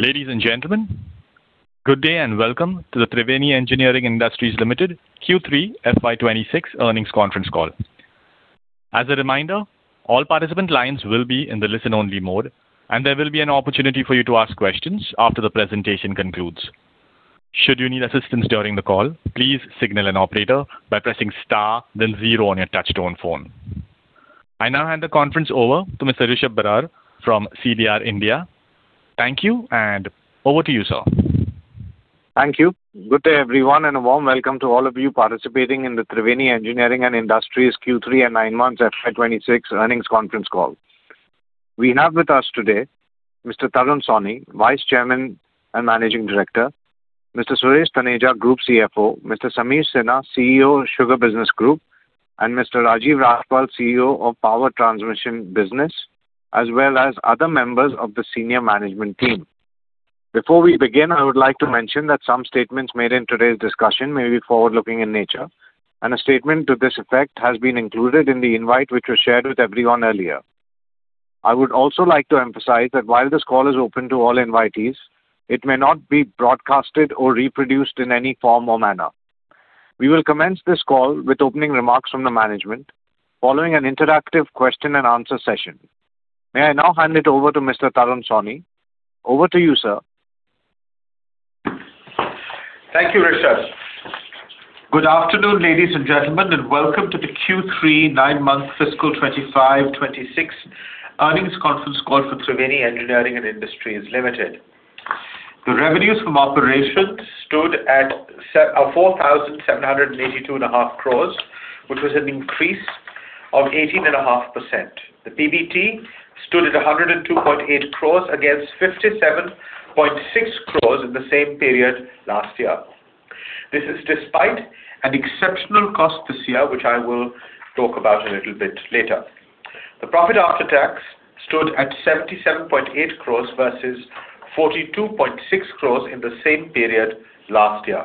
Ladies and gentlemen, good day and welcome to the Triveni Engineering & Industries Limited Q3 FY 2026 earnings conference call. As a reminder, all participant lines will be in the listen-only mode, and there will be an opportunity for you to ask questions after the presentation concludes. Should you need assistance during the call, please signal an operator by pressing star then zero on your touchtone phone. I now hand the conference over to Mr. Rishabh Barar from CDR India. Thank you, and over to you, sir. Thank you. Good day, everyone, and a warm welcome to all of you participating in the Triveni Engineering & Industries Q3 and nine months FY 2026 earnings conference call. We have with us today Mr. Tarun Sawhney, Vice Chairman and Managing Director, Mr. Suresh Taneja, Group CFO, Mr. Sameer Sinha, CEO, Sugar Business Group, and Mr. Rajiv Rajpal, CEO of Power Transmission Business, as well as other members of the senior management team. Before we begin, I would like to mention that some statements made in today's discussion may be forward-looking in nature, and a statement to this effect has been included in the invite, which was shared with everyone earlier. I would also like to emphasize that while this call is open to all invitees, it may not be broadcasted or reproduced in any form or manner. We will commence this call with opening remarks from the management, following an interactive question and answer session. May I now hand it over to Mr. Tarun Sawhney? Over to you, sir. Thank you, Rishabh. Good afternoon, ladies and gentlemen, and welcome to the Q3 nine-month fiscal 2025, 2026 earnings conference call for Triveni Engineering and Industries Limited. The revenues from operations stood at 4,782.5 crore, which was an increase of 18.5%. The PBT stood at 102.8 crore against 57.6 crore in the same period last year. This is despite an exceptional cost this year, which I will talk about a little bit later. The profit after tax stood at 77.8 crore versus 42.6 crore in the same period last year.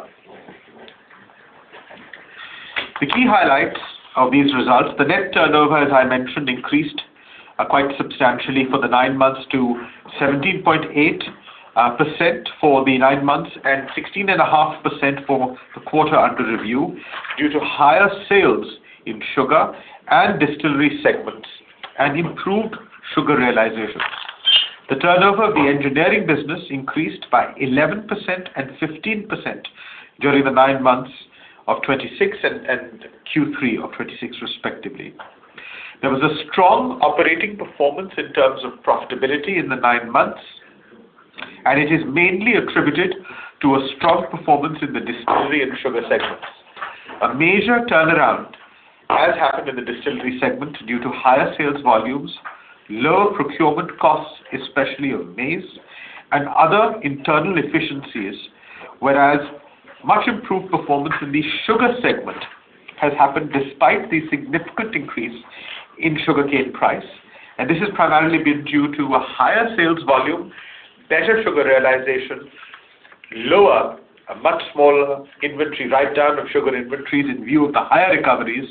The key highlights of these results, the net turnover, as I mentioned, increased quite substantially for the nine months to 17.8% for the nine months and 16.5% for the quarter under review, due to higher sales in sugar and distillery segments and improved sugar realization. The turnover of the engineering business increased by 11% and 15% during the nine months of 2026 and Q3 of 2026, respectively. There was a strong operating performance in terms of profitability in the nine months, and it is mainly attributed to a strong performance in the distillery and sugar segments. A major turnaround has happened in the distillery segment due to higher sales volumes, lower procurement costs, especially on maize, and other internal efficiencies, whereas much improved performance in the sugar segment has happened despite the significant increase in sugarcane price. This has primarily been due to a higher sales volume, better sugar realization, lower, a much smaller inventory, write down of sugar inventories in view of the higher recoveries,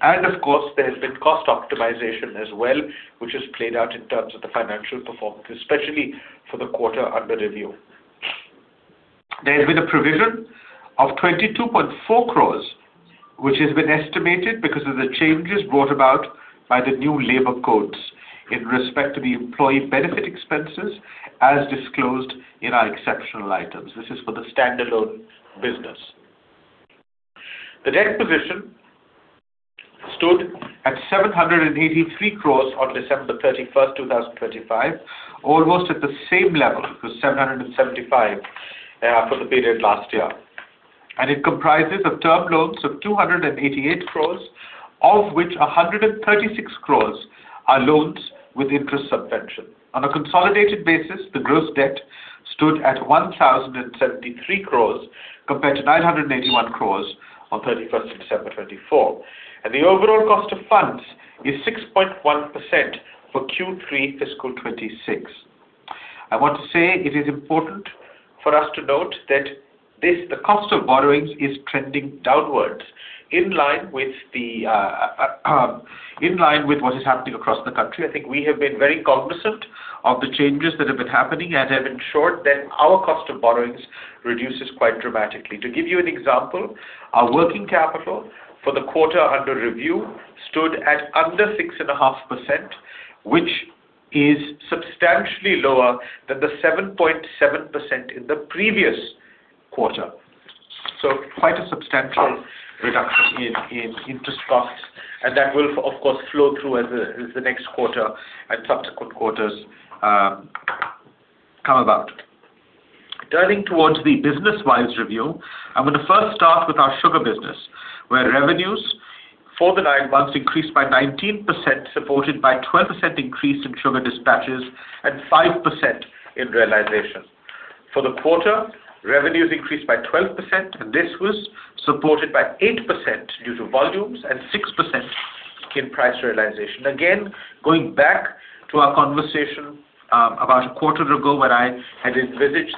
and of course, there has been cost optimization as well, which has played out in terms of the financial performance, especially for the quarter under review. There has been a provision of 22.4 crore, which has been estimated because of the changes brought about by the new Labour Codes in respect to the employee benefit expenses as disclosed in our exceptional items. This is for the standalone business. The debt position stood at 783 crore on December 31, 2025, almost at the same level as 775 crore for the period last year. It comprises of term loans of 288 crore, of which 136 crore are loans with interest subvention. On a consolidated basis, the gross debt stood at 1,073 crore, compared to 981 crore on December 31, 2024. The overall cost of funds is 6.1% for Q3 fiscal 2026. I want to say it is important for us to note that this, the cost of borrowings is trending downwards in line with the, in line with what is happening across the country. I think we have been very cognizant of the changes that have been happening and have ensured that our cost of borrowings reduces quite dramatically. To give you an example, our working capital for the quarter under review stood at under 6.5%, which is substantially lower than the 7.7% in the previous quarter. So quite a substantial reduction in interest costs, and that will of course flow through as the next quarter and subsequent quarters come about. Turning towards the business-wise review, I'm going to first start with our sugar business, where revenues for the nine months increased by 19%, supported by 12% increase in sugar dispatches and 5% in realization. For the quarter, revenues increased by 12%, and this was supported by 8% due to volumes and 6% in price realization. Again, going back to our conversation about a quarter ago, where I had envisaged.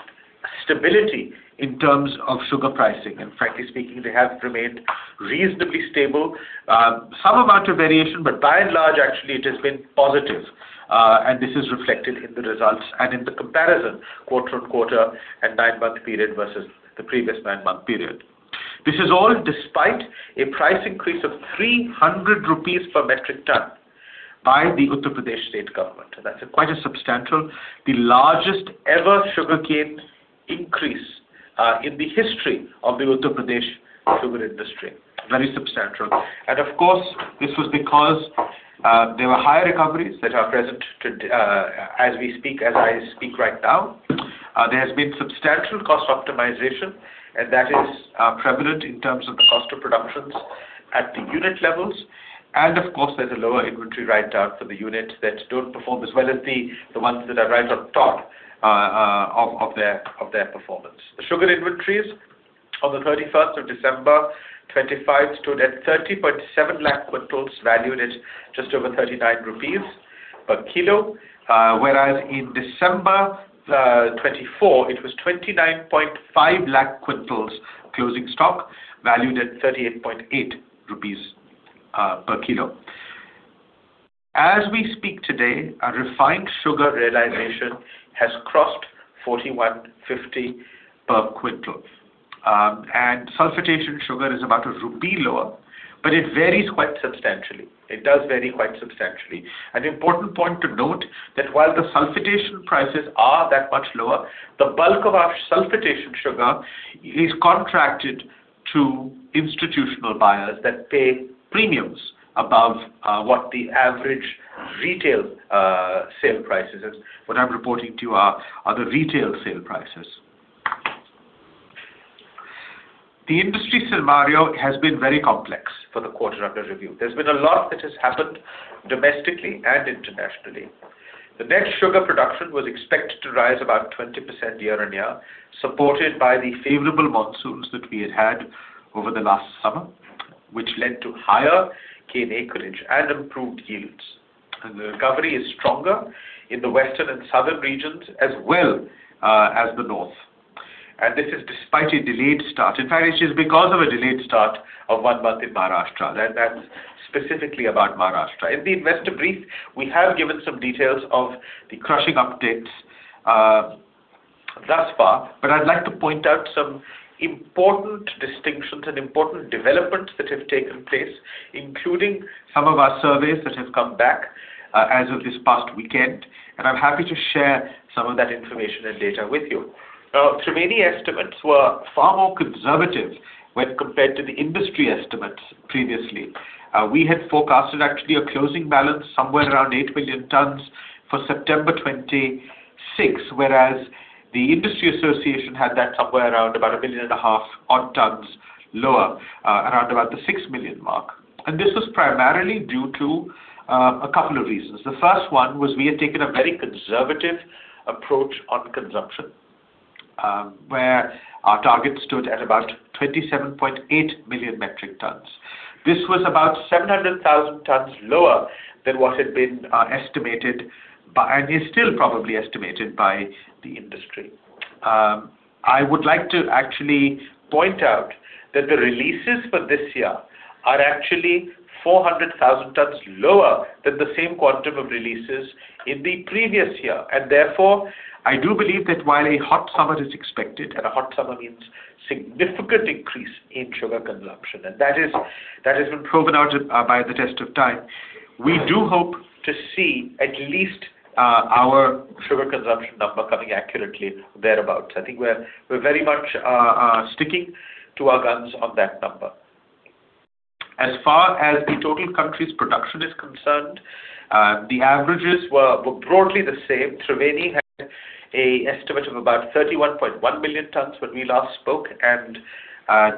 Stability in terms of sugar pricing, and frankly speaking, they have remained reasonably stable. Some amount of variation, but by and large, actually, it has been positive, and this is reflected in the results and in the comparison quarter-over-quarter and nine-month period versus the previous nine-month period. This is all despite a price increase of 300 rupees per metric ton by the Uttar Pradesh state government. That's quite a substantial, the largest ever sugarcane increase, in the history of the Uttar Pradesh sugar industry. Very substantial. And of course, this was because, there were higher recoveries that are present to, as we speak, as I speak right now. There has been substantial cost optimization, and that is, prevalent in terms of the cost of productions at the unit levels. And of course, there's a lower inventory write-down for the units that don't perform as well as the ones that are right on top of their performance. The sugar inventories on the 31st of December 2025 stood at 30.7 lakh quintals, valued at just over 39 rupees per kilo. Whereas in December 2024, it was 29.5 lakh quintals closing stock, valued at 38.8 rupees per kilo. As we speak today, our refined sugar realization has crossed 4,150 per quintal. And sulphitation sugar is about a rupee lower, but it varies quite substantially. It does vary quite substantially. An important point to note, that while the sulphitation prices are that much lower, the bulk of our sulphitation sugar is contracted to institutional buyers that pay premiums above what the average retail sale price is. What I'm reporting to you are, are the retail sale prices. The industry scenario has been very complex for the quarter under review. There's been a lot that has happened domestically and internationally. The net sugar production was expected to rise about 20% year-on-year, supported by the favorable monsoons that we had had over the last summer, which led to higher cane acreage and improved yields. And the recovery is stronger in the western and southern regions as well, as the north. And this is despite a delayed start. In fact, it is because of a delayed start of one month in Maharashtra, and that's specifically about Maharashtra. In the investor brief, we have given some details of the crushing updates thus far, but I'd like to point out some important distinctions and important developments that have taken place, including some of our surveys that have come back as of this past weekend, and I'm happy to share some of that information and data with you. Triveni estimates were far more conservative when compared to the industry estimates previously. We had forecasted actually a closing balance somewhere around 8 million tons for September 2026, whereas the industry association had that somewhere around about 1.5 million tons lower, around about the 6 million mark. This was primarily due to a couple of reasons. The first one was we had taken a very conservative approach on consumption, where our target stood at about 27.8 million metric tons. This was about 700,000 tons lower than what had been estimated by, and is still probably estimated by the industry. I would like to actually point out that the releases for this year are actually 400,000 tons lower than the same quantum of releases in the previous year. And therefore, I do believe that while a hot summer is expected, and a hot summer means significant increase in sugar consumption, and that has been proven out by the test of time. We do hope to see at least our sugar consumption number coming accurately whereabouts. I think we're very much sticking to our guns on that number. As far as the total country's production is concerned, the averages were broadly the same. Triveni had an estimate of about 31.1 million tons when we last spoke, and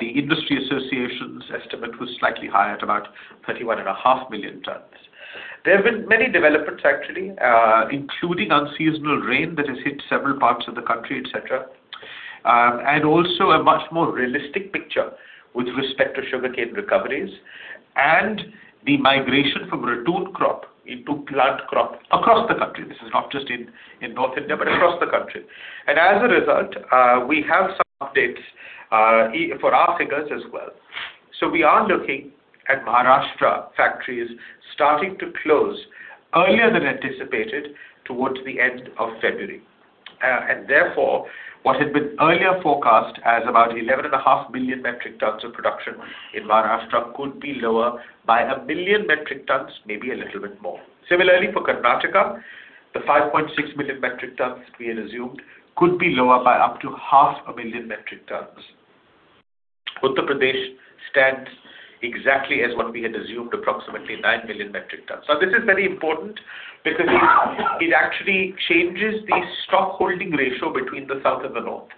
the industry association's estimate was slightly higher at about 31.5 million tons. There have been many developments, actually, including unseasonal rain that has hit several parts of the country, et cetera. And also a much more realistic picture with respect to sugarcane recoveries and the migration from ratoon crop into plant crop across the country. This is not just in North India, but across the country. And as a result, we have some updates for our figures as well. So we are looking at Maharashtra factories starting to close earlier than anticipated towards the end of February. And therefore, what had been earlier forecast as about 11.5 million metric tons of production in Maharashtra could be lower by 1 million metric tons, maybe a little bit more. Similarly, for Karnataka, the 5.6 million metric tons we had assumed could be lower by up to 500,000 metric tons. Uttar Pradesh stands exactly as what we had assumed, approximately 9 million metric tons. Now, this is very important because it actually changes the stock holding ratio between the South and the North.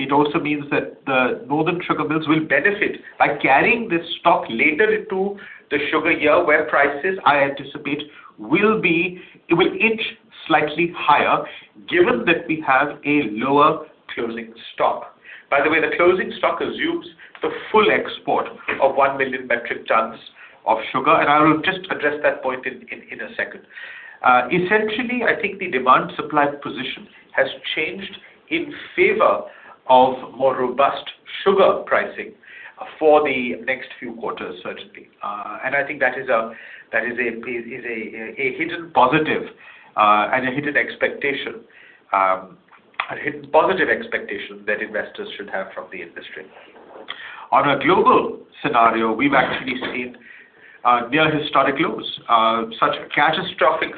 It also means that the northern sugar mills will benefit by carrying this stock later into the sugar year, where prices, I anticipate, will be... It will inch slightly higher, given that we have a lower closing stock. By the way, the closing stock assumes the full export of 1 million metric tons of sugar, and I will just address that point in a second. Essentially, I think the demand-supply position has changed in favor of more robust sugar pricing for the next few quarters, certainly. And I think that is a hidden positive, and a hidden expectation, a hidden positive expectation that investors should have from the industry. On a global scenario, we've actually seen near historic lows. Such catastrophic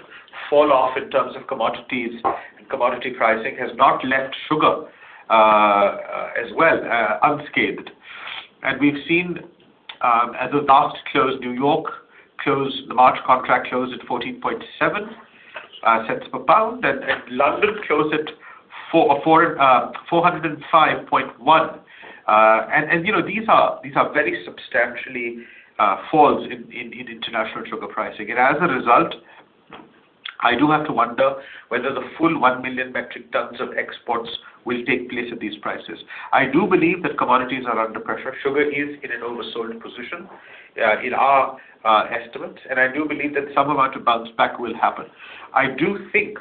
falloff in terms of commodities and commodity pricing has not left sugar, as well, unscathed. We've seen, as of last close, New York close, the March contract closed at $0.147 per pound, and London closed at $405.1. You know, these are very substantial falls in international sugar pricing. And as a result, I do have to wonder whether the full 1 million metric tons of exports will take place at these prices. I do believe that commodities are under pressure. Sugar is in an oversold position, in our estimate, and I do believe that some amount of bounce back will happen. I do think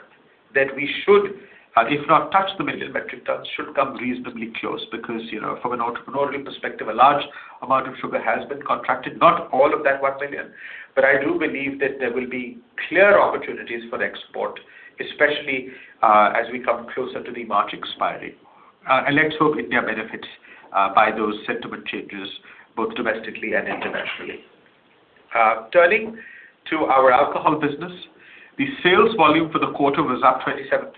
that we should, if not touch the 1 million metric tons, should come reasonably close, because, you know, from an entrepreneurial perspective, a large amount of sugar has been contracted, not all of that 1 million. But I do believe that there will be clear opportunities for export, especially, as we come closer to the March expiry. And let's hope India benefits, by those sentiment changes, both domestically and internationally. Turning to our alcohol business, the sales volume for the quarter was up 27%.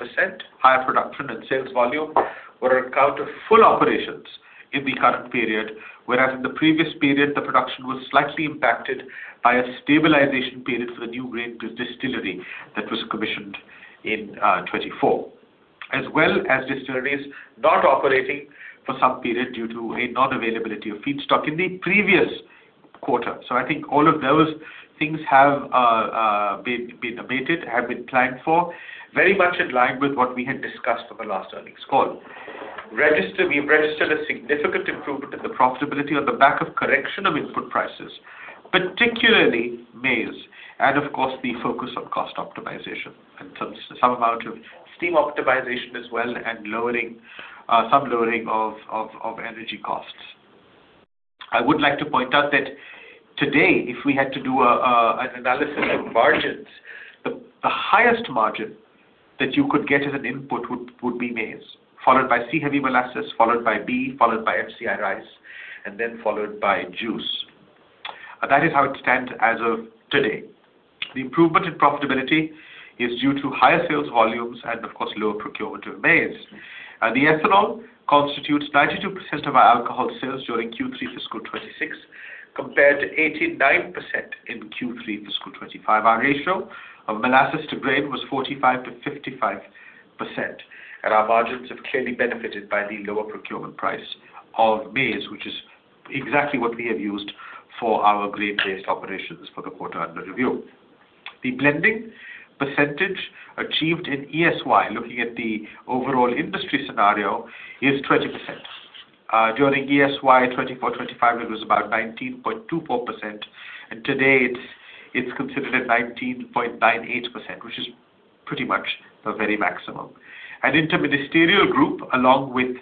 Higher production and sales volume were on account of full operations in the current period, whereas in the previous period, the production was slightly impacted by a stabilization period for the new grain distillery that was commissioned in 2024. As well as distilleries not operating for some period due to a non-availability of feedstock in the previous quarter. So I think all of those things have been abated, have been planned for, very much in line with what we had discussed for the last earnings call. We've registered a significant improvement in the profitability on the back of correction of input prices, particularly maize, and of course, the focus on cost optimization and some amount of steam optimization as well, and lowering some lowering of energy costs. I would like to point out that today, if we had to do an analysis of margins, the highest margin that you could get as an input would be maize, followed by C-heavy molasses, followed by B, followed by FCI rice, and then followed by juice. That is how it stands as of today. The improvement in profitability is due to higher sales volumes and, of course, lower procurement of maize. The ethanol constitutes 92% of our alcohol sales during Q3 fiscal 2026, compared to 89% in Q3 fiscal 2025. Our ratio of molasses to grain was 45%-55%, and our margins have clearly benefited by the lower procurement price of maize, which is exactly what we have used for our grain-based operations for the quarter under review. The blending percentage achieved in ESY, looking at the overall industry scenario, is 20%. During ESY 2024-2025, it was about 19.24%, and today it's considered at 19.98%, which is pretty much the very maximum. An interministerial group, along with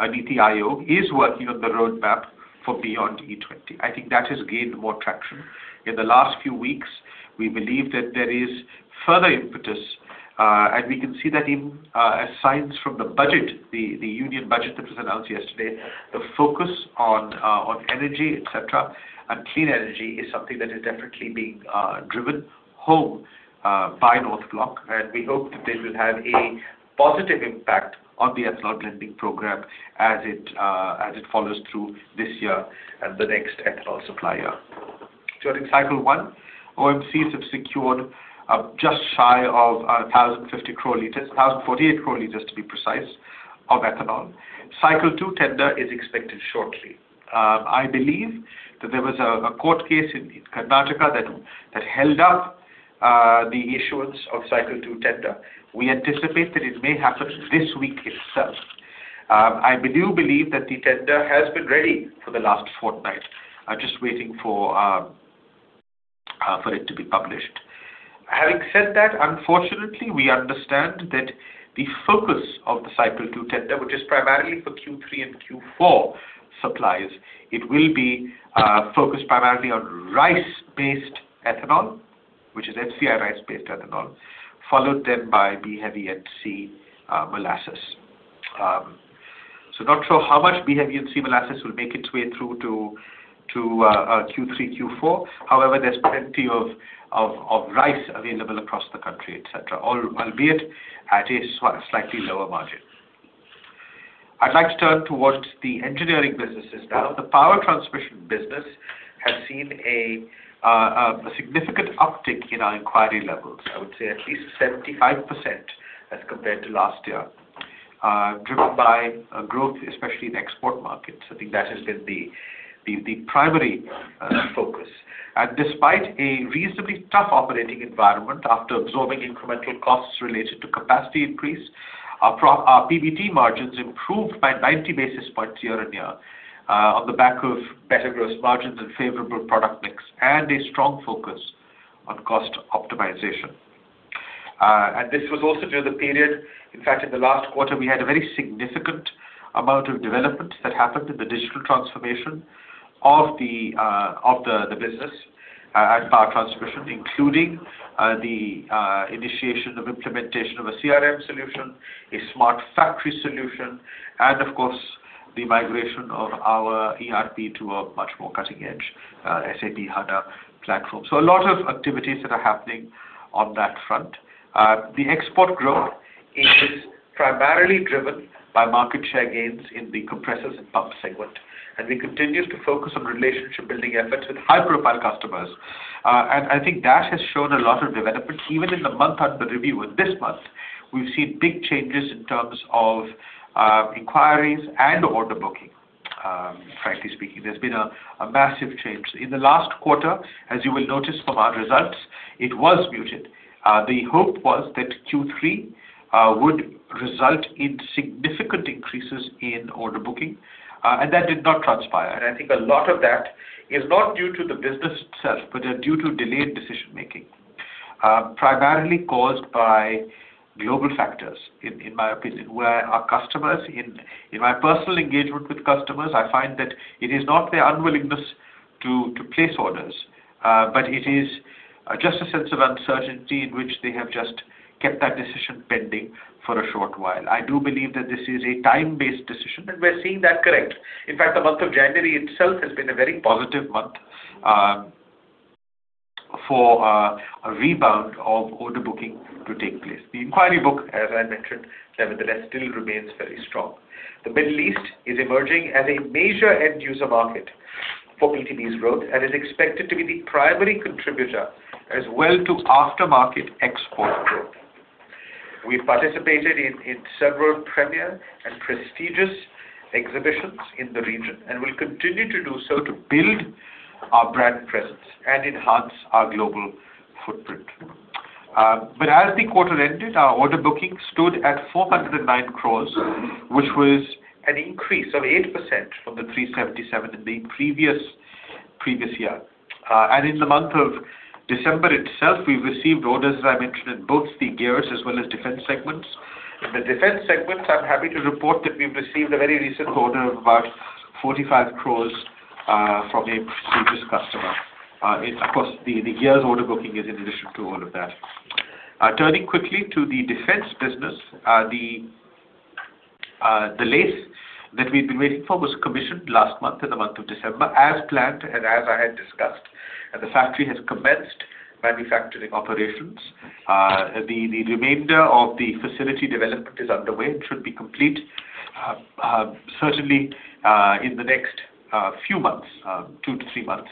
NITI Aayog, is working on the roadmap for beyond E20. I think that has gained more traction. In the last few weeks, we believe that there is further impetus, and we can see that in as signs from the budget, the Union Budget that was announced yesterday. The focus on energy, et cetera, and clean energy is something that is definitely being driven home by North Block, and we hope that they will have a positive impact on the ethanol blending program as it follows through this year and the next ethanol supply year. During Cycle 1, OMCs have secured just shy of 1,050 crore liters, 1,048 crore liters, to be precise, of ethanol. Cycle 2 tender is expected shortly. I believe that there was a court case in Karnataka that held up the issuance of Cycle 2 tender. We anticipate that it may happen this week itself. I do believe that the tender has been ready for the last fortnight just waiting for it to be published. Having said that, unfortunately, we understand that the focus of the Cycle 2 tender, which is primarily for Q3 and Q4 supplies, it will be focused primarily on rice-based ethanol, which is FCI rice-based ethanol, followed then by B-heavy and C molasses. So not sure how much B-heavy and C molasses will make its way through to Q3, Q4. However, there's plenty of rice available across the country, et cetera, albeit at a slightly lower margin. I'd like to turn towards the engineering businesses now. The power transmission business has seen a significant uptick in our inquiry levels. I would say at least 75% as compared to last year, driven by growth, especially in export markets. I think that has been the primary focus. Despite a reasonably tough operating environment after absorbing incremental costs related to capacity increase. Our PBT margins improved by 90 basis points year-on-year on the back of better gross margins and favorable product mix, and a strong focus on cost optimization. And this was also during the period, in fact, in the last quarter, we had a very significant amount of development that happened in the digital transformation of the business at Power Transmission, including the initiation of implementation of a CRM solution, a smart factory solution, and of course, the migration of our ERP to a much more cutting-edge SAP HANA platform. So a lot of activities that are happening on that front. The export growth is primarily driven by market share gains in the compressors and pumps segment, and we continue to focus on relationship building efforts with high-profile customers. And I think that has shown a lot of development. Even in the month under review, in this month, we've seen big changes in terms of inquiries and order booking. Frankly speaking, there's been a massive change. In the last quarter, as you will notice from our results, it was muted. The hope was that Q3 would result in significant increases in order booking, and that did not transpire. I think a lot of that is not due to the business itself, but they're due to delayed decision-making, primarily caused by global factors, in my opinion, where our customers. In my personal engagement with customers, I find that it is not their unwillingness to place orders, but it is just a sense of uncertainty in which they have just kept that decision pending for a short while. I do believe that this is a time-based decision, and we're seeing that correct. In fact, the month of January itself has been a very positive month for a rebound of order booking to take place. The inquiry book, as I mentioned, nevertheless, still remains very strong. The Middle East is emerging as a major end user market for TEIL's growth and is expected to be the primary contributor as well to aftermarket export growth. We participated in several premier and prestigious exhibitions in the region, and we'll continue to do so to build our brand presence and enhance our global footprint. But as the quarter ended, our order booking stood at 409 crore, which was an increase of 8% from the 377 in the previous year. And in the month of December itself, we've received orders, as I mentioned, in both the gears as well as defence segments. In the defence segments, I'm happy to report that we've received a very recent order of about 45 crore from a prestigious customer. It's, of course, the gears order booking is in addition to all of that. Turning quickly to the defence business, the lathe that we've been waiting for was commissioned last month, in the month of December, as planned and as I had discussed, and the factory has commenced manufacturing operations. The remainder of the facility development is underway and should be complete, certainly, in the next few months, 2-3 months.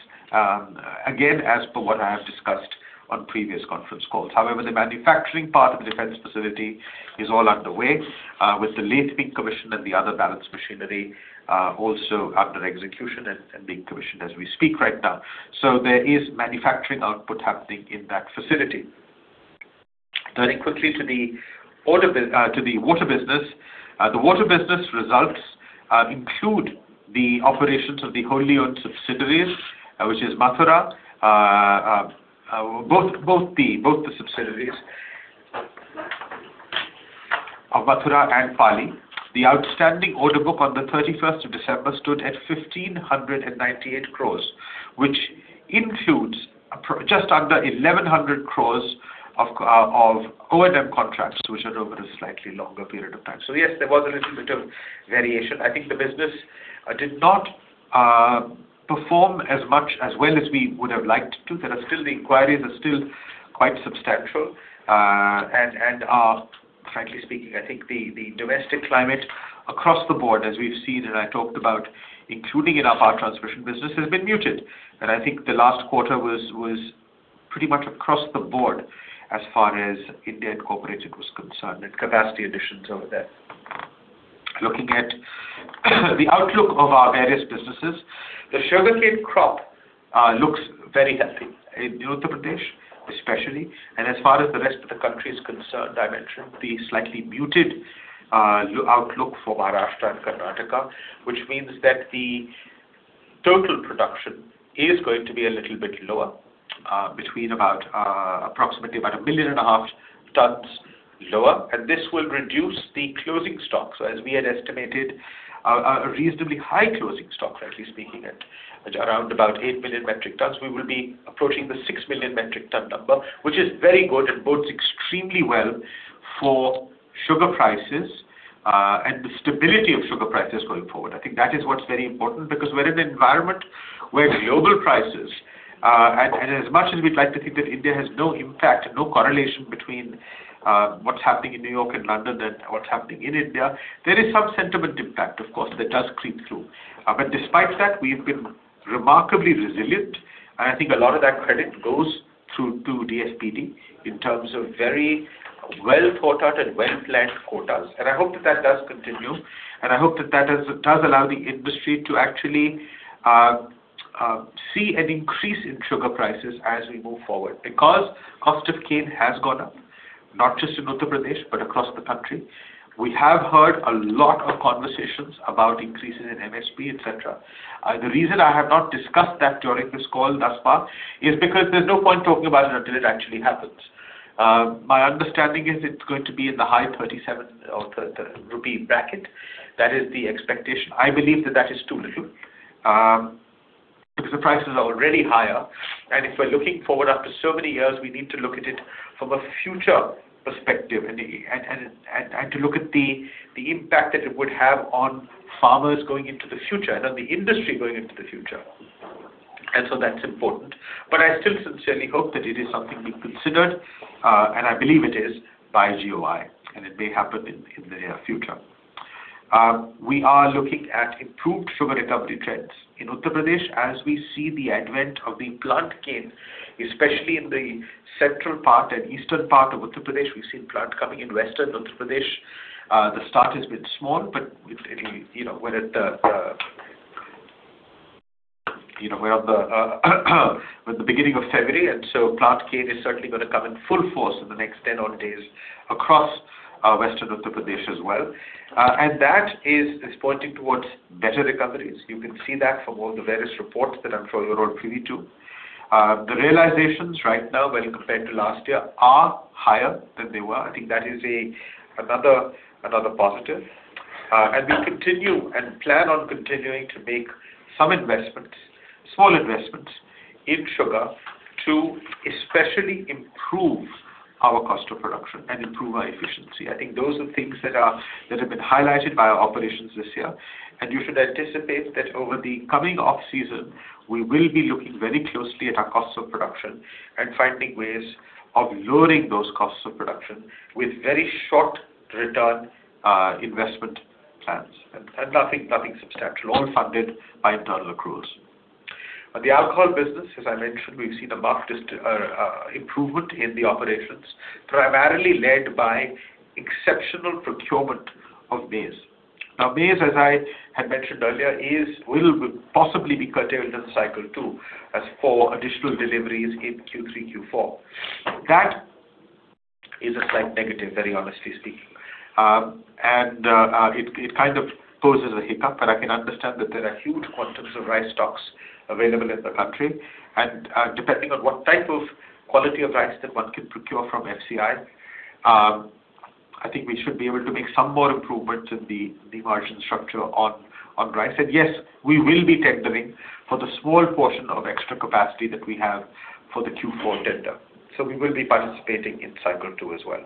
Again, as per what I have discussed on previous conference calls. However, the manufacturing part of the defence facility is all underway, with the lathe being commissioned and the other balance machinery also under execution and being commissioned as we speak right now. So there is manufacturing output happening in that facility. Turning quickly to the water business. The water business results include the operations of the wholly owned subsidiaries, which is Mathura, both the subsidiaries of Mathura and Pali. The outstanding order book on the thirty-first of December stood at 1,598 crores, which includes just under 1,100 crores of O&M contracts, which are over a slightly longer period of time. So yes, there was a little bit of variation. I think the business did not perform as well as we would have liked to. There are still, the inquiries are still quite substantial. And frankly speaking, I think the domestic climate across the board, as we've seen and I talked about, including in our power transmission business, has been muted. I think the last quarter was pretty much across the board as far as Indian corporate was concerned and capacity additions over there. Looking at the outlook of our various businesses, the sugarcane crop looks very healthy in Uttar Pradesh, especially. And as far as the rest of the country is concerned, I mentioned the slightly muted outlook for Maharashtra and Karnataka, which means that the total production is going to be a little bit lower, between about approximately about 1.5 million tons lower, and this will reduce the closing stock. So as we had estimated a reasonably high closing stock, frankly speaking, at around about 8 million metric tons. We will be approaching the 6 million metric ton number, which is very good and bodes extremely well for sugar prices and the stability of sugar prices going forward. I think that is what's very important, because we're in an environment where global prices, and as much as we'd like to think that India has no impact, no correlation between what's happening in New York and London and what's happening in India, there is some sentiment impact, of course, that does creep through. But despite that, we've been remarkably resilient, and I think a lot of that credit goes through to DFPD in terms of very well-thought-out and well-planned quotas. And I hope that that does continue, and I hope that that does allow the industry to actually see an increase in sugar prices as we move forward. Because cost of cane has gone up, not just in Uttar Pradesh, but across the country. We have heard a lot of conversations about increases in MSP, et cetera. The reason I have not discussed that during this call thus far, is because there's no point talking about it until it actually happens. My understanding is it's going to be in the high 37s of the rupee bracket. That is the expectation. I believe that that is too little, because the prices are already higher, and if we're looking forward after so many years, we need to look at it from a future perspective and to look at the impact that it would have on farmers going into the future, and on the industry going into the future. And so that's important. But I still sincerely hope that it is something being considered, and I believe it is by GOI, and it may happen in the near future. We are looking at improved sugar recovery trends. In Uttar Pradesh, as we see the advent of the plant cane, especially in the central part and eastern part of Uttar Pradesh, we've seen plant coming in western Uttar Pradesh. The start has been small, but it, you know, with the beginning of February, and so plant cane is certainly gonna come in full force in the next 10 odd days across western Uttar Pradesh as well. And that is pointing towards better recoveries. You can see that from all the various reports that I'm sure you're all privy to. The realizations right now, when compared to last year, are higher than they were. I think that is another positive. We continue and plan on continuing to make some investments, small investments, in sugar to especially improve our cost of production and improve our efficiency. I think those are things that have been highlighted by our operations this year, and you should anticipate that over the coming off-season, we will be looking very closely at our costs of production and finding ways of lowering those costs of production with very short return investment plans. And nothing substantial, all funded by internal accruals. But the alcohol business, as I mentioned, we've seen a marked improvement in the operations, primarily led by exceptional procurement of maize. Now, maize, as I had mentioned earlier, is will possibly be curtailed in the Cycle 2, as four additional deliveries in Q3, Q4. That is a slight negative, very honestly speaking. And it kind of poses a hiccup, but I can understand that there are huge quantities of rice stocks available in the country. And depending on what type of quality of rice that one can procure from FCI, I think we should be able to make some more improvements in the margin structure on rice. And yes, we will be tendering for the small portion of extra capacity that we have for the Q4 tender. So we will be participating in Cycle 2 as well.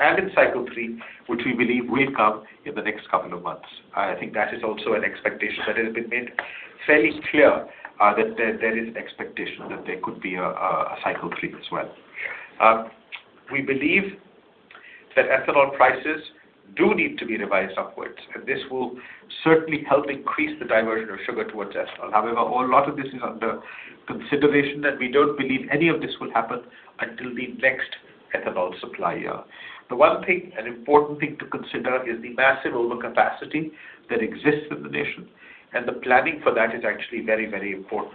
And in Cycle 3, which we believe will come in the next couple of months. I think that is also an expectation that has been made fairly clear, that there is expectation that there could be a Cycle 3 as well. We believe that ethanol prices do need to be revised upwards, and this will certainly help increase the diversion of sugar towards ethanol. However, a lot of this is under consideration that we don't believe any of this will happen until the next ethanol supply year. The one thing, an important thing to consider, is the massive overcapacity that exists in the nation, and the planning for that is actually very, very important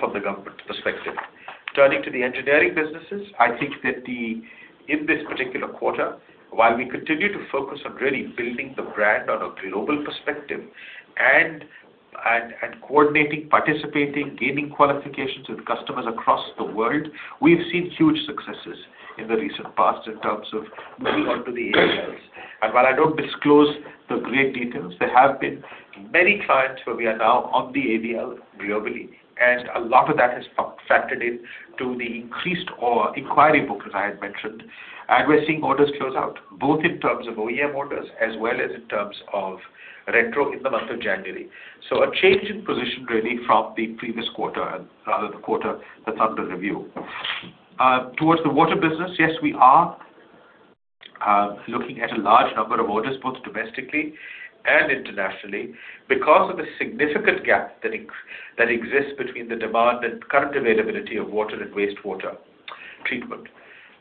from the government's perspective. Turning to the engineering businesses, I think that the... In this particular quarter, while we continue to focus on really building the brand on a global perspective and, and, and coordinating, participating, gaining qualifications with customers across the world, we've seen huge successes in the recent past in terms of moving on to the AVLs. While I don't disclose the great details, there have been many clients where we are now on the AVL globally, and a lot of that has factored into the increased order inquiry book, as I had mentioned. We're seeing orders close out, both in terms of OEM orders as well as in terms of retrofit in the month of January. So a change in position really from the previous quarter, rather than the quarter that's under review. Towards the water business, yes, we are looking at a large number of orders, both domestically and internationally, because of the significant gap that exists between the demand and current availability of water and wastewater treatment.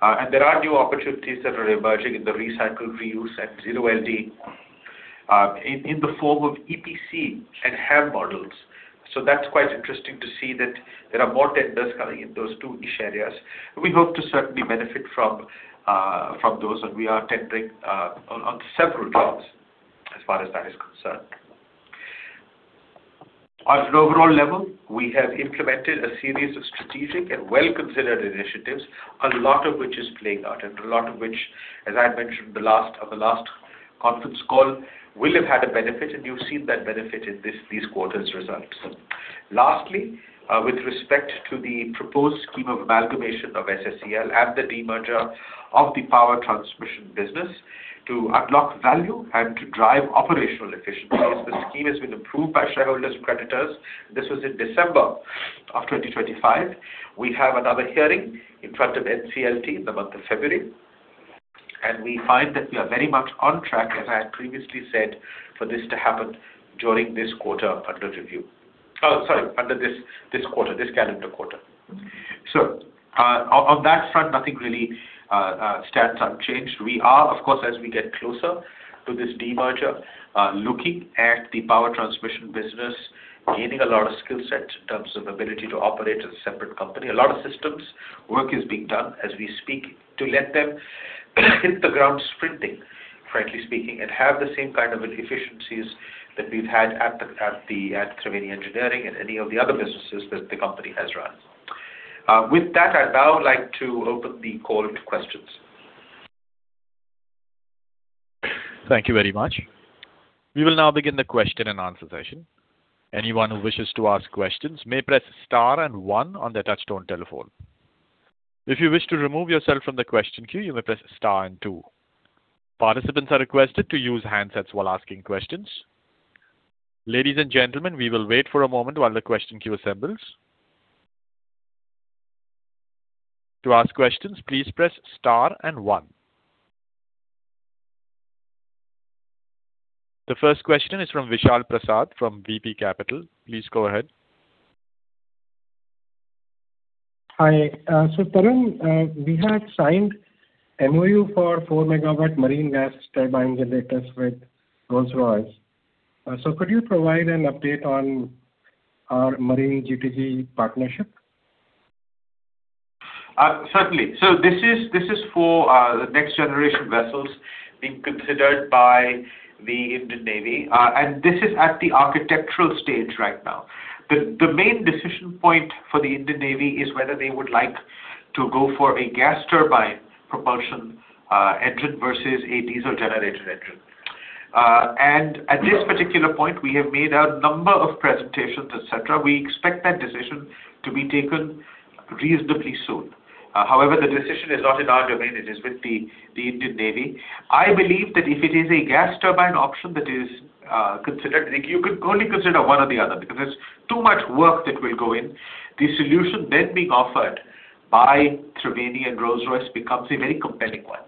And there are new opportunities that are emerging in the recycle, reuse and ZLD, in the form of EPC and HAM models. So that's quite interesting to see that there are more tenders coming in those two niche areas. We hope to certainly benefit from, from those, and we are tendering, on, on several deals as far as that is concerned. On an overall level, we have implemented a series of strategic and well-considered initiatives, a lot of which is playing out, and a lot of which, as I had mentioned the last, on the last conference call, will have had a benefit, and you've seen that benefit in this, these quarter's results. Lastly, with respect to the proposed scheme of amalgamation of SSEL and the demerger of the power transmission business to unlock value and to drive operational efficiencies, the scheme has been approved by shareholders and creditors. This was in December of 2025. We have another hearing in front of NCLT in the month of February, and we find that we are very much on track, as I had previously said, for this to happen during this quarter under review. Oh, sorry, under this, this quarter, this calendar quarter. So, on that front, nothing really stands unchanged. We are, of course, as we get closer to this demerger, looking at the power transmission business, gaining a lot of skill set in terms of ability to operate as a separate company. A lot of systems work is being done as we speak, to let them hit the ground sprinting, frankly speaking, and have the same kind of efficiencies that we've had at the, at the, at Triveni Engineering and any of the other businesses that the company has run. With that, I'd now like to open the call to questions. Thank you very much. We will now begin the question and answer session. Anyone who wishes to ask questions may press star and one on their touchtone telephone. If you wish to remove yourself from the question queue, you may press star and two. Participants are requested to use handsets while asking questions. Ladies and gentlemen, we will wait for a moment while the question queue assembles. To ask questions, please press star and one. The first question is from Vishal Prasad, from VP Capital. Please go ahead. Hi. So Tarun, we had signed MOU for 4-megawatt marine gas turbine generators with Rolls-Royce. So could you provide an update on our marine GTG partnership? Certainly. So this is for the next generation vessels being considered by the Indian Navy. And this is at the architectural stage right now. The main decision point for the Indian Navy is whether they would like to go for a gas turbine propulsion engine, versus a diesel generator engine. And at this particular point, we have made a number of presentations, et cetera. We expect that decision to be taken reasonably soon. However, the decision is not in our domain, it is with the Indian Navy. I believe that if it is a gas turbine option that is considered, you can only consider one or the other, because there's too much work that will go in. The solution then being offered by Triveni and Rolls-Royce becomes a very compelling one,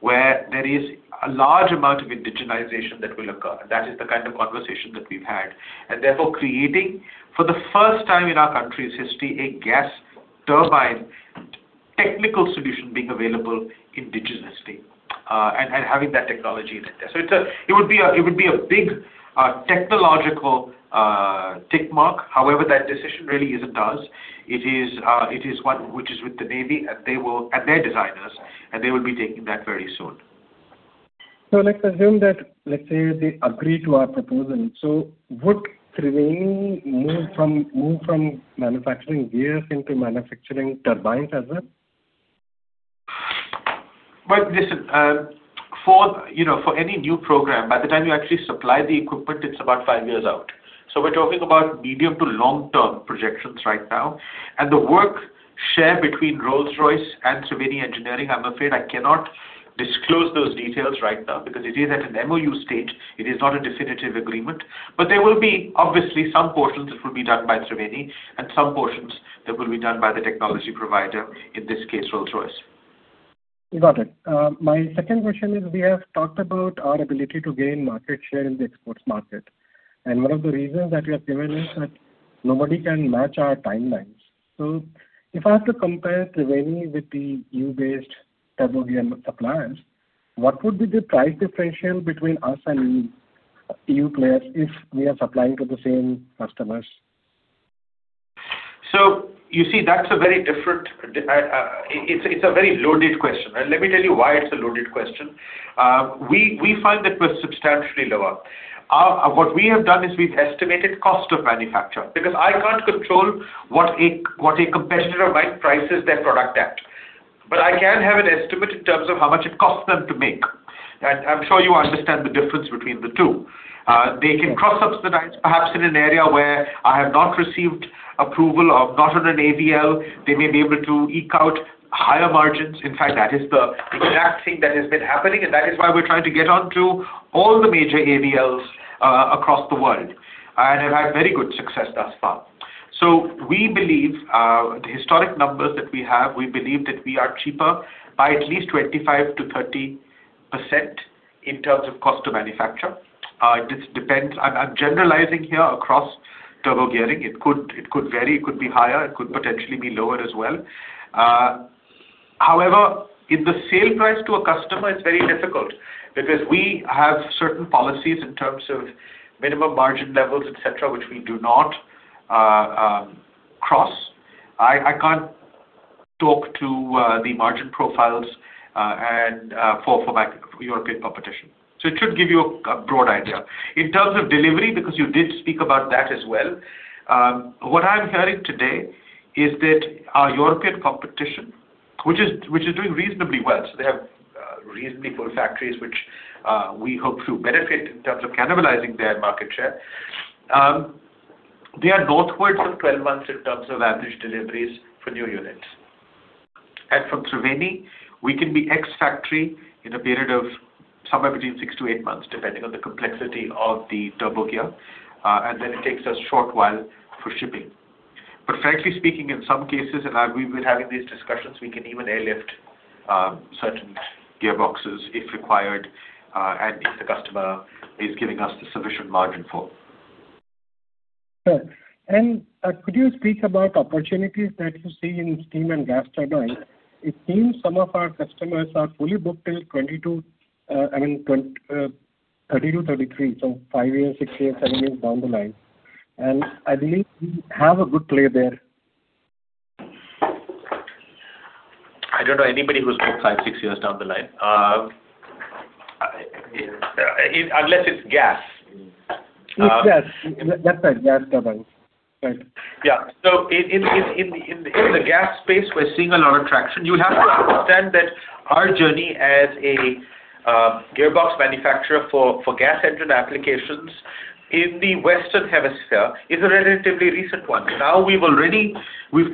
where there is a large amount of indigenization that will occur. That is the kind of conversation that we've had. And therefore, creating, for the first time in our country's history, a gas turbine technical solution being available indigenously, and having that technology. So it would be a big technological tick mark. However, that decision really isn't ours. It is one which is with the Navy, and they will... and their designers, and they will be taking that very soon. Let's assume that, let's say, they agree to our proposal. Would Triveni move from manufacturing gears into manufacturing turbines as well? Well, listen, you know, for any new program, by the time you actually supply the equipment, it's about five years out. So we're talking about medium to long-term projections right now. And the work shared between Rolls-Royce and Triveni Engineering, I'm afraid I cannot disclose those details right now, because it is at an MOU stage. It is not a definitive agreement. But there will be obviously some portions that will be done by Triveni and some portions that will be done by the technology provider, in this case, Rolls-Royce. Got it. My second question is, we have talked about our ability to gain market share in the exports market, and one of the reasons that you have given is that nobody can match our timelines. So if I have to compare Triveni with the EU-based turbo gear suppliers, what would be the price differential between us and EU players, if we are supplying to the same customers? So you see, that's a very different, it's a very loaded question, and let me tell you why it's a loaded question. We find that we're substantially lower. What we have done is we've estimated cost of manufacture, because I can't control what a competitor might price their product at. But I can have an estimate in terms of how much it costs them to make. And I'm sure you understand the difference between the two. They can cross-subsidize, perhaps in an area where I have not received approval or not on an AVL, they may be able to eke out higher margins. In fact, that is the exact thing that has been happening, and that is why we're trying to get onto all the major AVLs across the world, and have had very good success thus far. So we believe the historic numbers that we have. We believe that we are cheaper by at least 25%-30% in terms of cost to manufacture. It just depends... I'm generalizing here across turbo gearing. It could vary, it could be higher, it could potentially be lower as well. However, in the sale price to a customer, it's very difficult, because we have certain policies in terms of minimum margin levels, et cetera, which we do not cross. I can't talk to the margin profiles and for my European competition. So it should give you a broad idea. In terms of delivery, because you did speak about that as well, what I'm hearing today is that our European competition, which is, which is doing reasonably well, so they have reasonably full factories, which we hope to benefit in terms of cannibalizing their market share. They are northwards of 12 months in terms of average deliveries for new units. And from Triveni, we can be ex factory in a period of somewhere between 6-8 months, depending on the complexity of the turbo gear. And then it takes us a short while for shipping. But frankly speaking, in some cases, and we've been having these discussions, we can even airlift certain gearboxes if required, and if the customer is giving us the sufficient margin for it. Sir, and could you speak about opportunities that you see in steam and gas turbine? It seems some of our customers are fully booked till 30-33. So 5 years, 6 years, 7 years down the line. And I believe we have a good play there. I don't know anybody who's looked 5, 6 years down the line. Unless it's gas. It's gas. That's right, gas turbine. Right. Yeah. So in the gas space, we're seeing a lot of traction. You have to understand that our journey as a gearbox manufacturer for gas engine applications in the Western Hemisphere is a relatively recent one. Now, we've already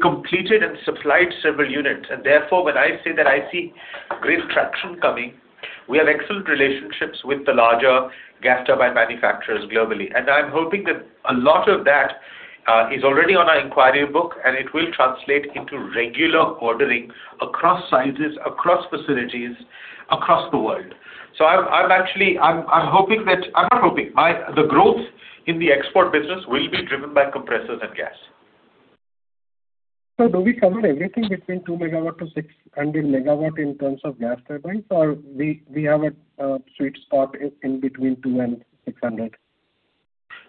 completed and supplied several units, and therefore, when I say that I see great traction coming, we have excellent relationships with the larger gas turbine manufacturers globally. And I'm hoping that a lot of that is already on our inquiry book, and it will translate into regular ordering across sites, across facilities, across the world. So I'm actually hoping that. I'm not hoping. I... The growth in the export business will be driven by compressors and gas. So do we cover everything between 2 MW-600 MW in terms of gas turbines, or we have a sweet spot in between 2 and 600?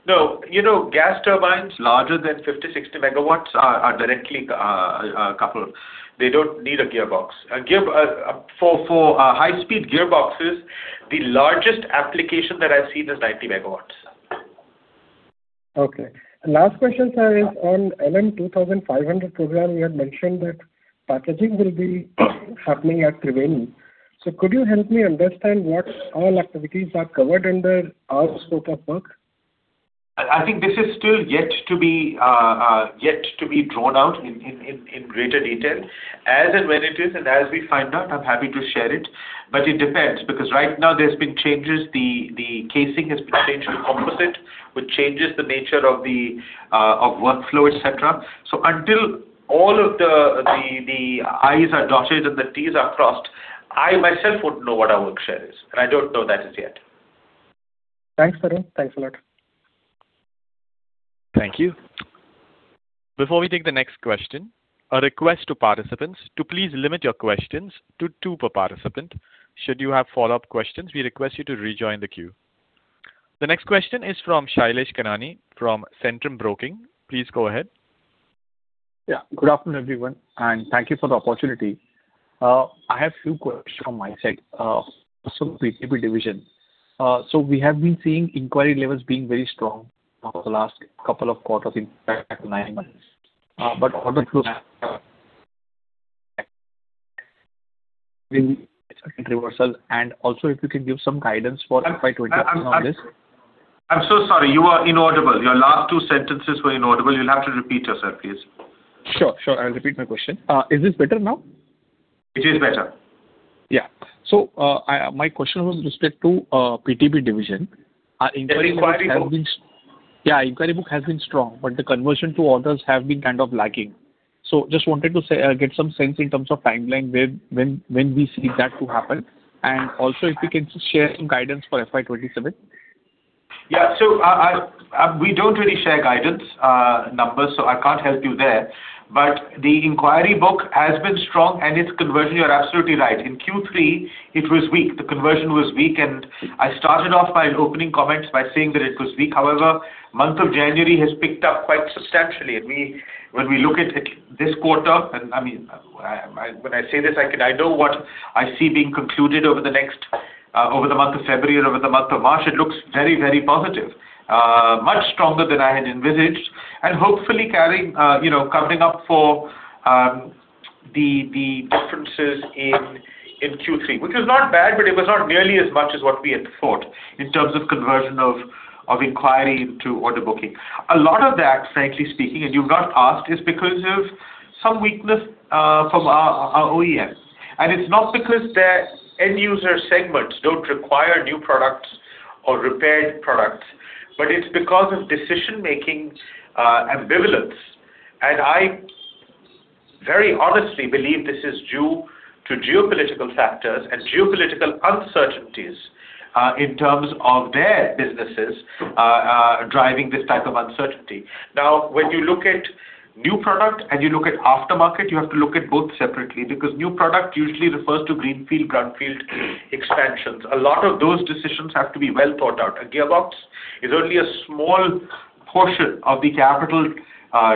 No. You know, gas turbines larger than 50-60 megawatts are directly coupled. They don't need a gearbox. A gear for high-speed gearboxes, the largest application that I've seen is 90 megawatts. Okay. Last question, sir, is on LM2500 program. You had mentioned that packaging will be happening at Triveni. So could you help me understand what all activities are covered under our scope of work? I think this is still yet to be drawn out in greater detail. As and when it is, and as we find out, I'm happy to share it, but it depends, because right now there's been changes. The casing has been changed to composite, which changes the nature of the workflow, et cetera. So until all of the I's are dotted and the T's are crossed, I myself wouldn't know what our work share is, and I don't know that as yet. Thanks, Arun. Thanks a lot. Thank you. Before we take the next question, a request to participants to please limit your questions to two per participant. Should you have follow-up questions, we request you to rejoin the queue. The next question is from Shailesh Kanani, from Centrum Broking. Please go ahead. Yeah. Good afternoon, everyone, and thank you for the opportunity. I have a few questions from my side, so PTB division. So we have been seeing inquiry levels being very strong over the last couple of quarters, in fact, nine months. But order flow reversal, and also if you could give some guidance for FY 2027 on this. I'm so sorry, you are inaudible. Your last two sentences were inaudible. You'll have to repeat yourself, please. Sure, sure. I'll repeat my question. Is this better now? It is better. Yeah. So, my question was with respect to PTB division. Inquiry- The inquiry book. Yeah, inquiry book has been strong, but the conversion to orders have been kind of lacking. So just wanted to say, get some sense in terms of timeline, where when, when we see that to happen, and also if you can share some guidance for FY 2027. Yeah. So I, I, we don't really share guidance numbers, so I can't help you there. But the inquiry book has been strong and its conversion, you're absolutely right. In Q3, it was weak. The conversion was weak, and I started off my opening comments by saying that it was weak. However, month of January has picked up quite substantially, and we, when we look at it this quarter, and, I mean, I, I, when I say this, I can, I know what I see being concluded over the next, over the month of February and over the month of March. It looks very, very positive. Much stronger than I had envisaged, and hopefully carrying, you know, coming up for the differences in Q3, which was not bad, but it was not nearly as much as what we had thought in terms of conversion of inquiry to order booking. A lot of that, frankly speaking, and you've not asked, is because of some weakness from our OEMs. It's not because their end user segments don't require new products or repaired products, but it's because of decision-making ambivalence. I very honestly believe this is due to geopolitical factors and geopolitical uncertainties in terms of their businesses driving this type of uncertainty. Now, when you look at new product and you look at aftermarket, you have to look at both separately, because new product usually refers to greenfield, brownfield expansions. A lot of those decisions have to be well thought out. A gearbox is only a small portion of the capital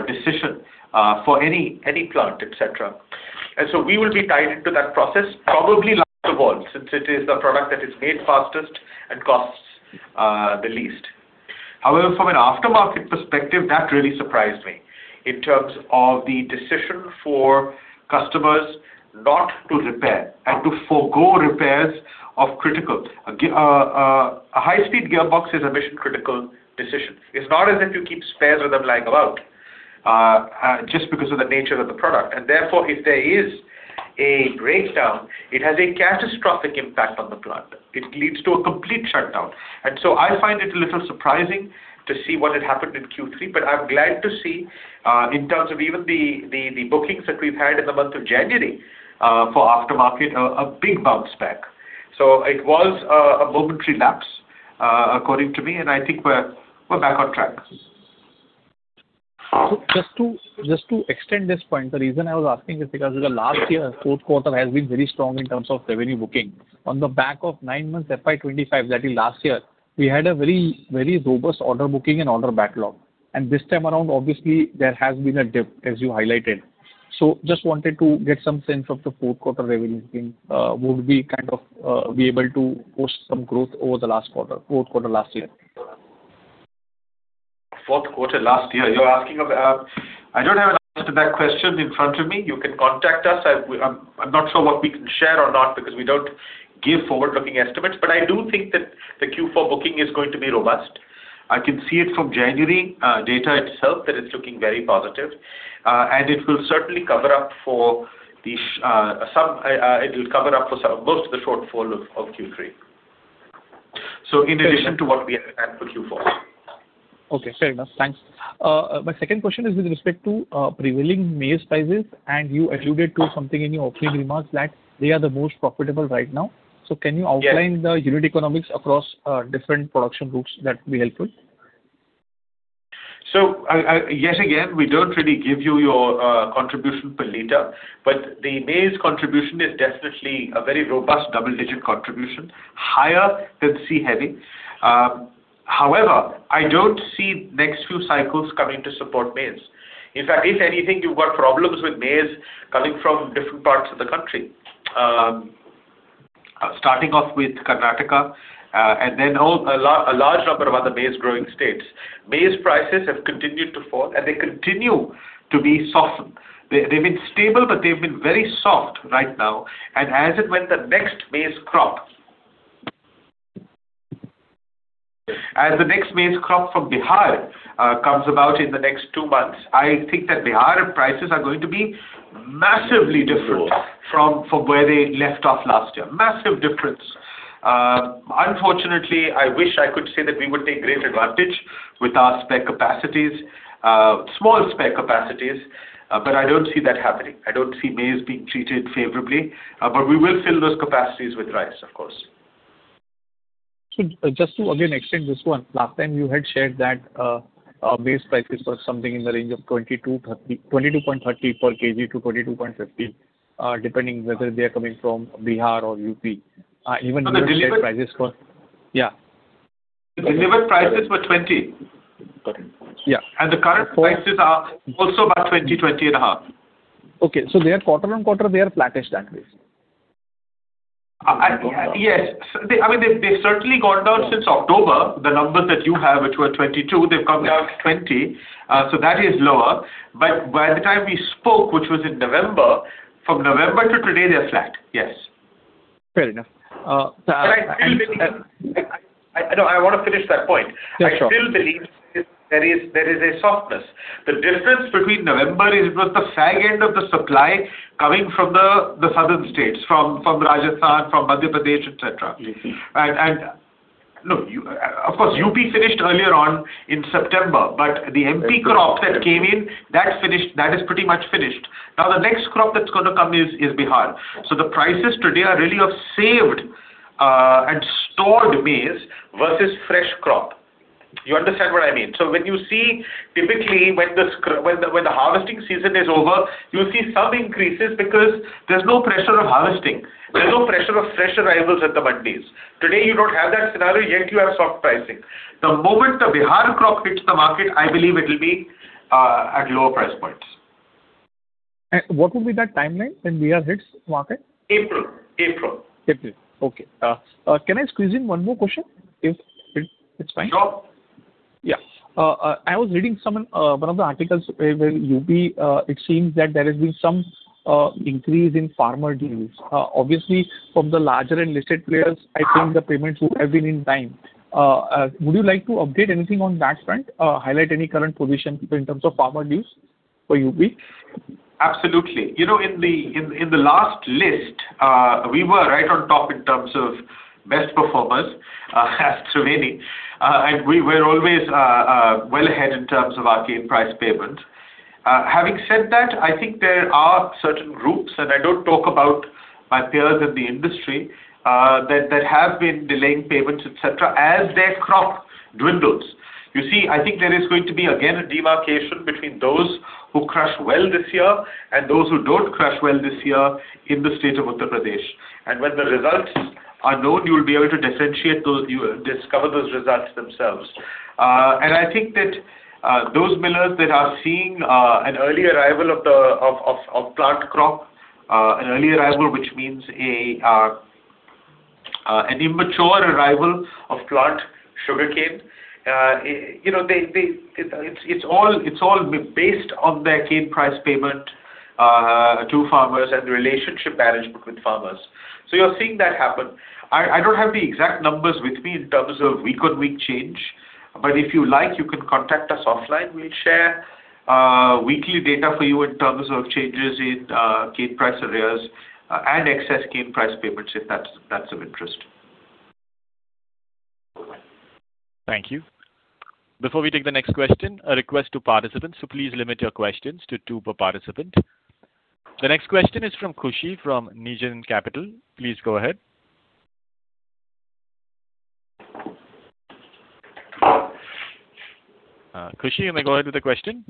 decision for any plant, et cetera. And so we will be tied into that process, probably last of all, since it is the product that is made fastest and costs the least. However, from an aftermarket perspective, that really surprised me in terms of the decision for customers not to repair and to forgo repairs of critical. A high-speed gearbox is a mission-critical decision. It's not as if you keep spares of them lying about just because of the nature of the product. And therefore, if there is a breakdown, it has a catastrophic impact on the plant. It leads to a complete shutdown. I find it a little surprising to see what had happened in Q3, but I'm glad to see, in terms of even the bookings that we've had in the month of January, for aftermarket, a big bounce back. So it was a momentary lapse, according to me, and I think we're back on track. Just to, just to extend this point, the reason I was asking is because in the last year, fourth quarter has been very strong in terms of revenue booking. On the back of nine months, FY 2025, that is last year, we had a very, very robust order booking and order backlog. And this time around, obviously, there has been a dip, as you highlighted. So just wanted to get some sense of the fourth quarter revenue stream. Would we kind of be able to post some growth over the last quarter, fourth quarter last year? Fourth quarter last year, you're asking about—I don't have an answer to that question in front of me. You can contact us. I, I'm not sure what we can share or not, because we don't give forward-looking estimates. But I do think that the Q4 booking is going to be robust. I can see it from January data itself, that it's looking very positive. And it will certainly cover up for some, most of the shortfall of Q3. So in addition to what we had for Q4. Okay, fair enough. Thanks. My second question is with respect to prevailing maize prices, and you alluded to something in your opening remarks that they are the most profitable right now. Yeah. Can you outline the unit economics across different production groups that will be helpful? So yet again, we don't really give you your contribution per liter, but the maize contribution is definitely a very robust double-digit contribution, higher than C-heavy. However, I don't see next few cycles coming to support maize. In fact, if anything, you've got problems with maize coming from different parts of the country. Starting off with Karnataka, and then all, a large number of other maize-growing states. Maize prices have continued to fall, and they continue to be softened. They've been stable, but they've been very soft right now. And as and when the next maize crop, as the next maize crop from Bihar, comes about in the next two months, I think that Bihar prices are going to be massively different from where they left off last year. Massive difference. Unfortunately, I wish I could say that we would take great advantage with our spare capacities, small spare capacities, but I don't see that happening. I don't see maize being treated favorably, but we will fill those capacities with rice, of course. So just to again extend this one, last time you had shared that, maize prices were something in the range of 22.30 per kg-INR 22.50 per kg, depending whether they are coming from Bihar or UP. Even- The delivered- Prices for... Yeah. The delivered prices were 20. Got it. Yeah. The current prices are also about 20-20.5. Okay, so they are quarter-on-quarter, they are flattish that way. Yes. They, I mean, they've certainly gone down since October. The numbers that you have, which were 22, they've come down to 20. So that is lower. But by the time we spoke, which was in November, from November to today, they're flat. Yes. Fair enough. No, I wanna finish that point. Yeah, sure. I still believe there is a softness. The difference between November is, was the fag end of the supply coming from the southern states, from Rajasthan, from Madhya Pradesh, et cetera. Yes. Look, of course, UP finished earlier on in September, but the MP crop that came in, that's finished, that is pretty much finished. Now, the next crop that's gonna come is Bihar. So the prices today are really of saved and stored maize versus fresh crop. You understand what I mean? So when you see, typically, when the harvesting season is over, you see some increases because there's no pressure of harvesting. There's no pressure of fresh arrivals at the mandis. Today, you don't have that scenario, yet you have soft pricing. The moment the Bihar crop hits the market, I believe it will be at lower price points. What would be that timeline when Bihar hits market? April. April. April. Okay. Can I squeeze in one more question, if it's fine? Sure. Yeah. I was reading some one of the articles where UP it seems that there has been some increase in farmer dues. Obviously, from the larger and listed players, I think the payments would have been in time. Would you like to update anything on that front, highlight any current position in terms of farmer dues for UP? Absolutely. You know, in the last list, we were right on top in terms of best performers, as so many, and we were always, well ahead in terms of our cane price payment. Having said that, I think there are certain groups, and I don't talk about my peers in the industry, that have been delaying payments, et cetera, as their crop dwindles. You see, I think there is going to be, again, a demarcation between those who crush well this year and those who don't crush well this year in the state of Uttar Pradesh. And when the results are known, you'll be able to differentiate those, you discover those results themselves. I think that those millers that are seeing an early arrival of the plant crop, an early arrival, which means an immature arrival of plant sugarcane, you know, it's all based on their cane price payment to farmers and the relationship management with farmers. So you're seeing that happen. I don't have the exact numbers with me in terms of week-on-week change, but if you like, you can contact us offline. We'll share weekly data for you in terms of changes in cane price arrears and excess cane price payments, if that's of interest.... Thank you. Before we take the next question, a request to participants, so please limit your questions to two per participant. The next question is from Khushi from Negen Capital. Please go ahead. Khushi, you may go ahead with the question.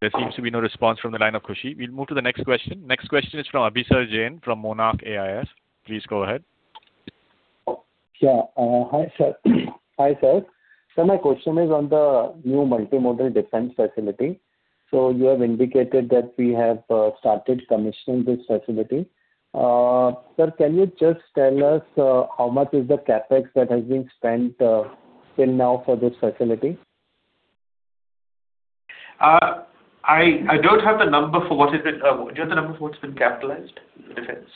There seems to be no response from the line of Khushi. We'll move to the next question. Next question is from Abhisar Jain from Monarch AIF. Please go ahead. Yeah. Hi, sir. Hi, sir. So my question is on the new multimodal defence facility. So you have indicated that we have started commissioning this facility. Sir, can you just tell us how much is the CapEx that has been spent till now for this facility? I don't have the number for what has been capitalized in defence. Do you have the number for what's been capitalized in defence?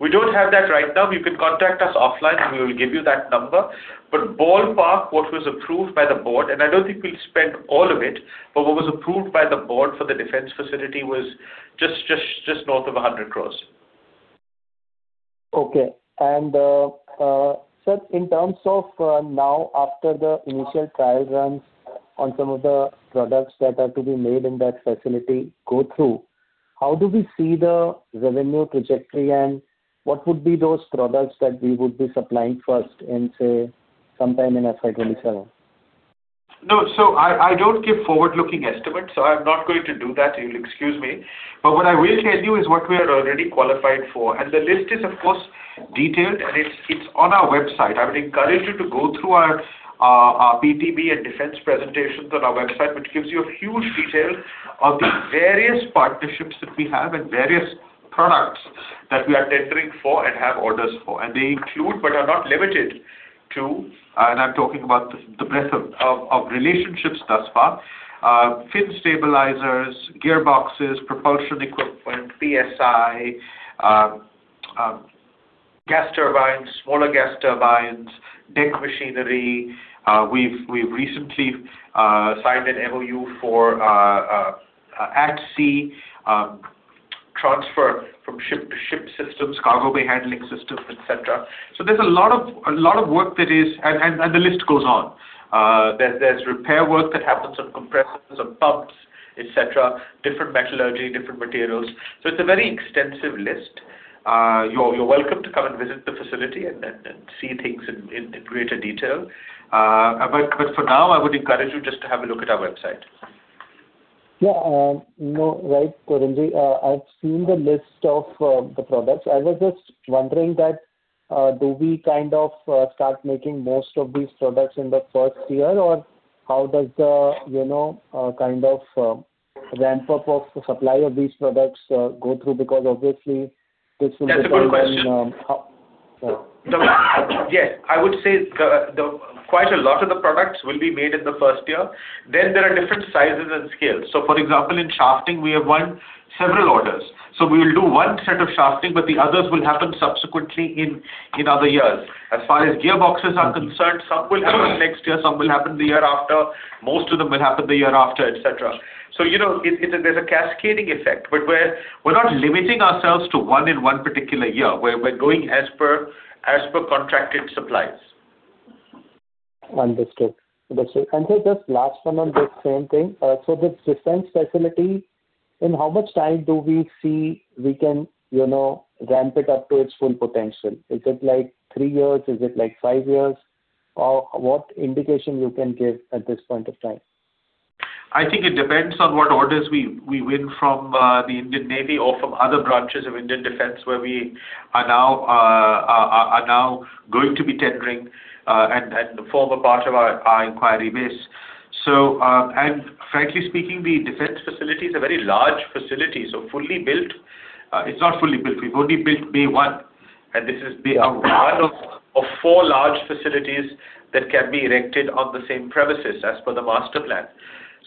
We don't have that right now. You can contact us offline, and we will give you that number. But ballpark, what was approved by the Board, and I don't think we'll spend all of it, but what was approved by the Board for the defence facility was just north of 100 crore. Okay. And, sir, in terms of now after the initial trial runs on some of the products that are to be made in that facility go through, how do we see the revenue trajectory, and what would be those products that we would be supplying first in, say, sometime in FY 2027? No, so I don't give forward-looking estimates, so I'm not going to do that. You'll excuse me. But what I will tell you is what we are already qualified for. And the list is, of course, detailed, and it's on our website. I would encourage you to go through our PTB and defence presentations on our website, which gives you a huge detail of the various partnerships that we have and various products that we are tendering for and have orders for. And they include, but are not limited to, and I'm talking about the breadth of relationships thus far, fin stabilizers, gearboxes, propulsion equipment, PSI, gas turbines, smaller gas turbines, deck machinery. We've recently signed an MOU for at-sea transfer from ship-to-ship systems, cargo bay handling systems, et cetera. So there's a lot of work that is. And the list goes on. There's repair work that happens on compressors and pumps, et cetera. Different metallurgy, different materials. So it's a very extensive list. You're welcome to come and visit the facility and see things in greater detail. But for now, I would encourage you just to have a look at our website. Yeah, no, right, Tarun ji. I've seen the list of the products. I was just wondering, do we kind of start making most of these products in the first year, or how does the, you know, kind of ramp up of supply of these products go through? Because obviously, this will be- That's a good question. Um, uh. Yes, I would say quite a lot of the products will be made in the first year. Then there are different sizes and scales. So for example, in shafting, we have won several orders. So we will do one set of shafting, but the others will happen subsequently in other years. As far as gearboxes are concerned, some will happen next year, some will happen the year after. Most of them will happen the year after, et cetera. So, you know, it's a cascading effect, but we're not limiting ourselves to one in one particular year. We're going as per contracted supplies. Understood. Understood. And so just last one on this same thing. So this defence facility, in how much time do we see we can, you know, ramp it up to its full potential? Is it like three years? Is it like five years? Or what indication you can give at this point of time? I think it depends on what orders we win from the Indian Navy or from other branches of Indian defence, where we are now going to be tendering, and form a part of our inquiry base. So, frankly speaking, the defence facility is a very large facility, so fully built. It's not fully built. We've only built Bay One, and this is Bay one of four large facilities that can be erected on the same premises as per the master plan.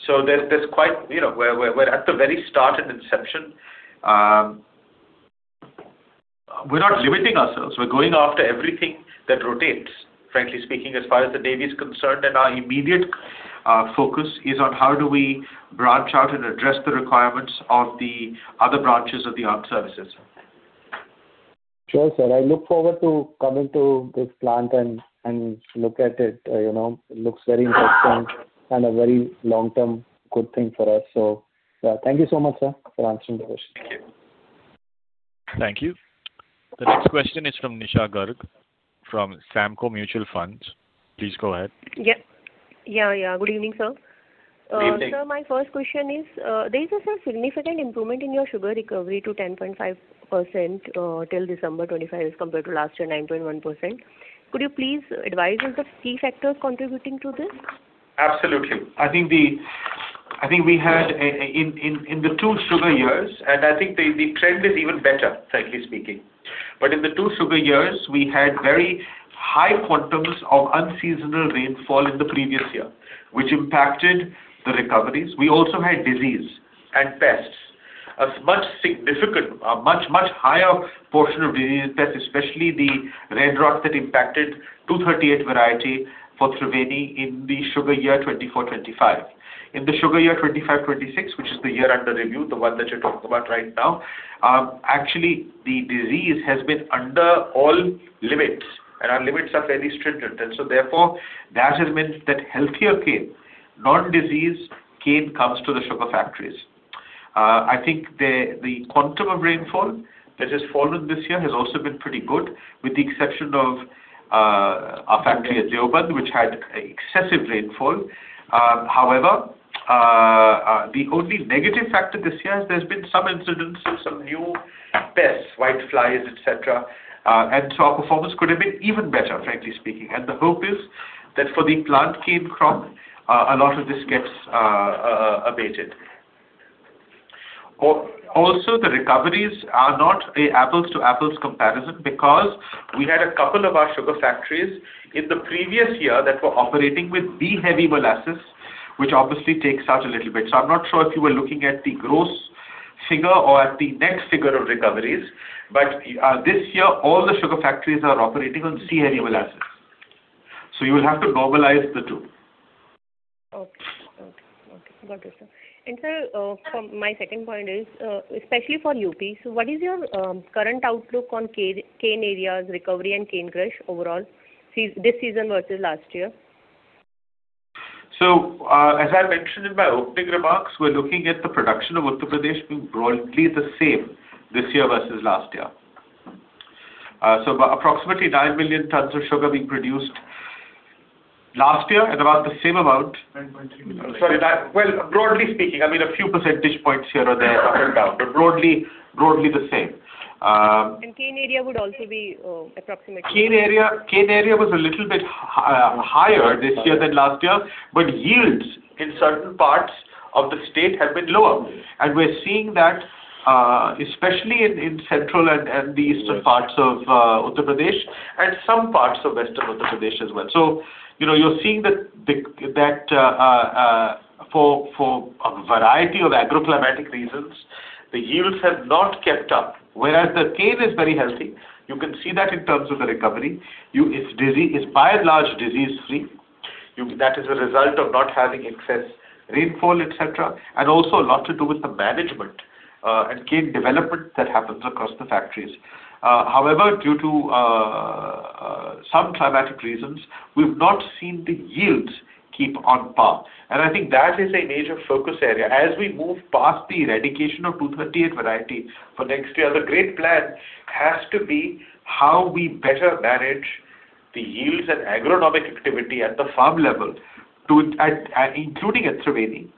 So there's quite... You know, we're at the very start and inception. We're not limiting ourselves. We're going after everything that rotates, frankly speaking, as far as the Navy is concerned, and our immediate focus is on how do we branch out and address the requirements of the other branches of the armed services. Sure, sir. I look forward to coming to this plant and look at it. You know, it looks very interesting and a very long-term good thing for us. So, thank you so much, sir, for answering the question. Thank you. Thank you. The next question is from Nisha Garg, from Samco Mutual Funds. Please go ahead. Yeah. Yeah, yeah. Good evening, sir. Good evening. Sir, my first question is, there is a significant improvement in your sugar recovery to 10.5%, till December 2025 as compared to last year, 9.1%. Could you please advise on the key factors contributing to this? Absolutely. I think we had a... In the two sugar years, and I think the trend is even better, frankly speaking. But in the two sugar years, we had very high quantums of unseasonal rainfall in the previous year, which impacted the recoveries. We also had disease and pests, a much significant, a much, much higher portion of disease and pests, especially the red rot that impacted Co 0238 variety for Triveni in the sugar year 2024-25. In the sugar year 2025-26, which is the year under review, the one that you're talking about right now, actually the disease has been under all limits, and our limits are very stringent. And so therefore, that has meant that healthier cane, non-disease cane, comes to the sugar factories. I think the quantum of rainfall that has fallen this year has also been pretty good, with the exception of our factory at Deoband, which had excessive rainfall. However, the only negative factor this year is there's been some incidents of some new pests, whiteflies, et cetera. And so our performance could have been even better, frankly speaking. And the hope is that for the plant cane crop, a lot of this gets abated. Also, the recoveries are not an apples to apples comparison, because we had a couple of our sugar factories in the previous year that were operating with B-heavy molasses, which obviously takes out a little bit. I'm not sure if you were looking at the gross figure or at the next figure of recoveries, but this year all the sugar factories are operating on C-heavy molasses. You will have to normalize the two. Okay, got it, sir. And sir, for my second point is, especially for UP, so what is your current outlook on cane, cane areas, recovery and cane crush overall, this season versus last year? So, as I mentioned in my opening remarks, we're looking at the production of Uttar Pradesh being broadly the same this year versus last year. So about approximately 9 million tons of sugar being produced last year, and about the same amount- 9.3. Sorry. Well, broadly speaking, I mean a few percentage points here or there, up or down, but broadly, broadly the same. Cane area would also be approximately? Cane area, cane area was a little bit higher this year than last year, but yields in certain parts of the state have been lower. And we're seeing that, especially in central and the eastern parts of Uttar Pradesh and some parts of western Uttar Pradesh as well. So you know, you're seeing that for a variety of agro-climatic reasons, the yields have not kept up. Whereas the cane is very healthy, you can see that in terms of the recovery. It's by and large disease free. That is a result of not having excess rainfall, et cetera, and also a lot to do with the management and cane development that happens across the factories. However, due to some climatic reasons, we've not seen the yields keep on par. I think that is a major focus area. As we move past the eradication of Co 0238 variety for next year, the great plan has to be how we better manage the yields and agronomic activity at the farm level, to including at Triveni,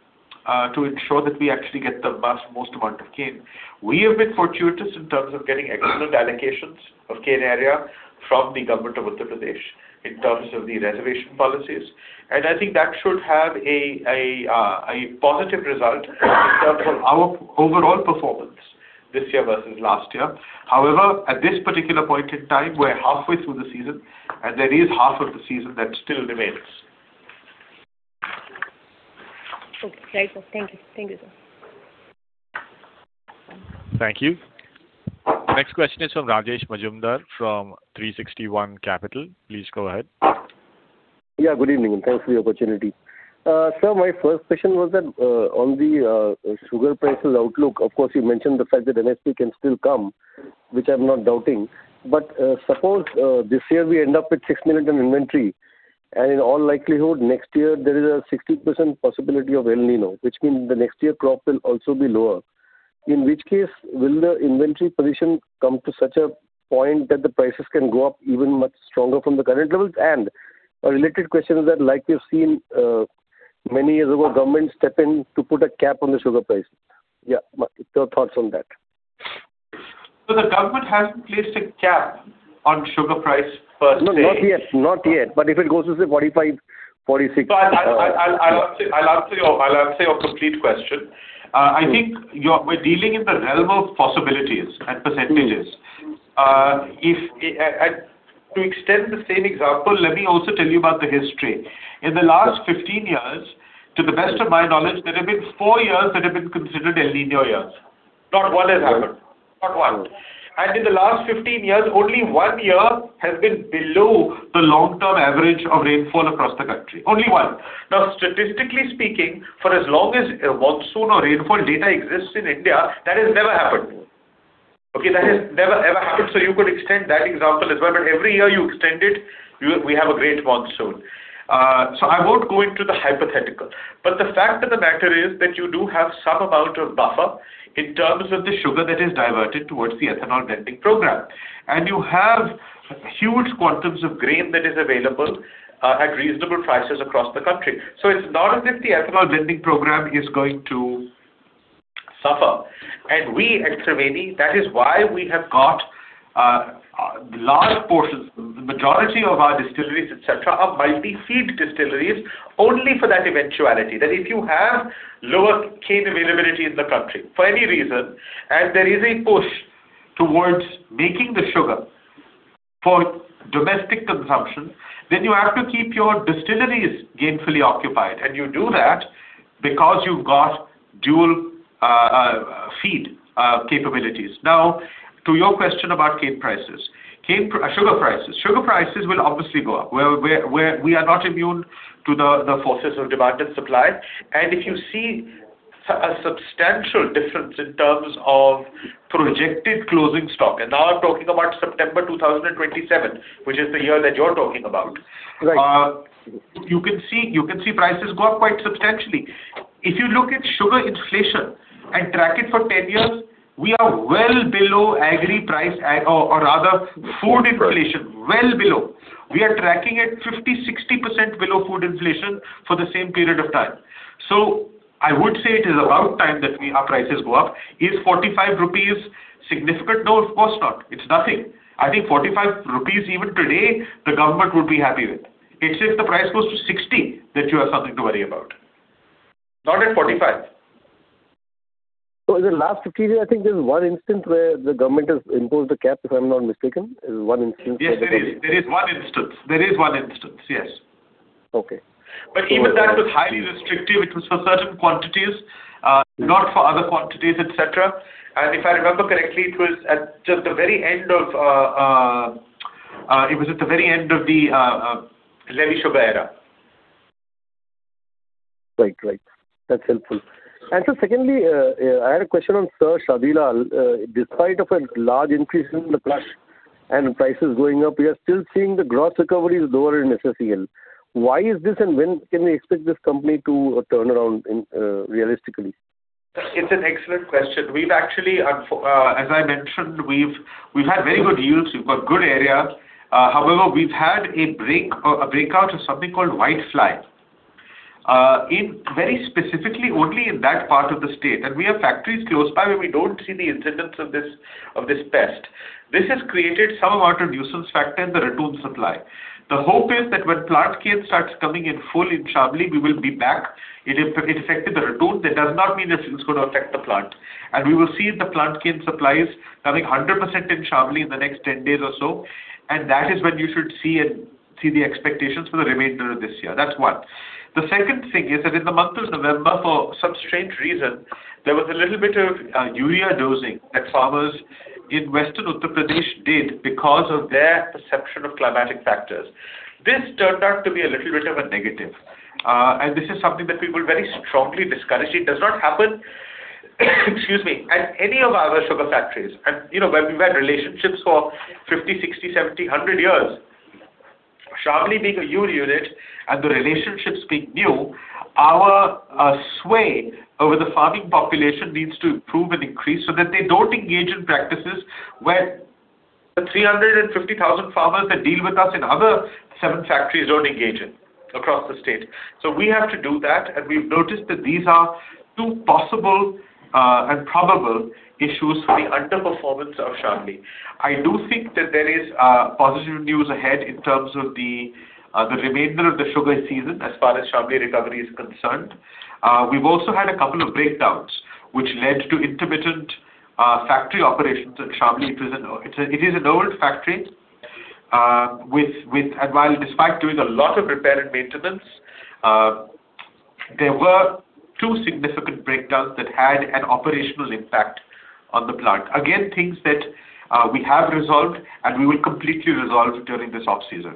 to ensure that we actually get the vast, most amount of cane. We have been fortuitous in terms of getting excellent allocations of cane area from the Government of Uttar Pradesh, in terms of the reservation policies. And I think that should have a positive result in terms of our overall performance this year versus last year. However, at this particular point in time, we're halfway through the season, and there is half of the season that still remains. Okay. Great, sir. Thank you. Thank you, sir. Thank you. Next question is from Rajesh Majumdar, from 360 ONE Capital. Please go ahead. Yeah, good evening, and thanks for the opportunity. Sir, my first question was that, on the sugar prices outlook, of course, you mentioned the fact that MSP can still come, which I'm not doubting. But, suppose this year we end up with 6 million in inventory, and in all likelihood, next year there is a 60% possibility of El Niño, which means the next year crop will also be lower. In which case, will the inventory position come to such a point that the prices can go up even much stronger from the current levels? And a related question is that, like we've seen many years ago, government step in to put a cap on the sugar price. Yeah, your thoughts on that. The government hasn't placed a cap on sugar price per se. Not yet, not yet. But if it goes to say 45, 46. So I'll answer your complete question. Sure. I think we're dealing in the realm of possibilities and percentages. If and to extend the same example, let me also tell you about the history. Sure. In the last 15 years, to the best of my knowledge, there have been 4 years that have been considered El Niño years. Not one has happened, not one. In the last 15 years, only one year has been below the long-term average of rainfall across the country. Only one. Now, statistically speaking, for as long as a monsoon or rainfall data exists in India, that has never happened. Okay? That has never, ever happened. So you could extend that example as well, but every year you extend it, you, we have a great monsoon. So I won't go into the hypothetical. But the fact of the matter is that you do have some amount of buffer in terms of the sugar that is diverted towards the ethanol blending program. And you have huge quantities of grain that is available, at reasonable prices across the country. So it's not as if the ethanol blending program is going to suffer. And we, at Triveni, that is why we have got large portions, majority of our distilleries, et cetera, are multi-feed distilleries, only for that eventuality. That if you have lower cane availability in the country, for any reason, and there is a push towards making the sugar for domestic consumption, then you have to keep your distilleries gainfully occupied. And you do that because you've got dual feed capabilities. Now, to your question about cane prices. Cane prices. Sugar prices. Sugar prices will obviously go up, where we are not immune to the forces of demand and supply. And if you see a substantial difference in terms of projected closing stock, and now I'm talking about September 2027, which is the year that you're talking about. Right. You can see, you can see prices go up quite substantially. If you look at sugar inflation and track it for 10 years, we are well below agri price, or, or rather, food inflation. Right. Well below. We are tracking at 50%-60% below food inflation for the same period of time. So I would say it is about time that our prices go up. Is 45 rupees significant? No, of course not. It's nothing. I think 45 rupees, even today, the government would be happy with. It's if the price goes to 60, that you have something to worry about. Not at 45. In the last 50 years, I think there's one instance where the government has imposed a cap, if I'm not mistaken. There's one instance- Yes, there is. There is one instance. There is one instance, yes. Okay. But even that was highly restrictive. It was for certain quantities, not for other quantities, et cetera. And if I remember correctly, it was at just the very end of the levy sugar era. Right. Right. That's helpful. And so secondly, I had a question on Sir Shadi Lal. Despite of a large increase in the crush and prices going up, we are still seeing the gross recovery is lower in SSEL. Why is this, and when can we expect this company to turn around in, realistically? It's an excellent question. We've actually, as I mentioned, we've had very good yields. We've got good area. However, we've had a breakout of something called whitefly. In very specifically, only in that part of the state, and we have factories close by, where we don't see the incidence of this, of this pest. This has created some amount of nuisance factor in the ratoon supply. The hope is that when plant cane starts coming in full in Shamli, we will be back. It affected, it affected the ratoon. That does not mean that it's going to affect the plant. We will see the plant cane supplies coming 100% in Shamli in the next 10 days or so, and that is when you should see and see the expectations for the remainder of this year. That's one. The second thing is that in the month of November, for some strange reason, there was a little bit of urea dosing that farmers in Western Uttar Pradesh did because of their perception of climatic factors. This turned out to be a little bit of a negative, and this is something that we will very strongly discourage. It does not happen, excuse me, at any of our other sugar factories. And, you know, where we've had relationships for 50, 60, 70, 100 years. Shamli being a new unit and the relationships being new, our sway over the farming population needs to improve and increase so that they don't engage in practices where the 350,000 farmers that deal with us in other seven factories don't engage in across the state. So we have to do that, and we've noticed that these are two possible and probable issues for the underperformance of Shamli. I do think that there is positive news ahead in terms of the remainder of the sugar season, as far as Shamli recovery is concerned. We've also had a couple of breakdowns, which led to intermittent factory operations in Shamli. It is an old factory with... And while despite doing a lot of repair and maintenance, there were two significant breakdowns that had an operational impact on the plant. Again, things that we have resolved and we will completely resolve during this off-season.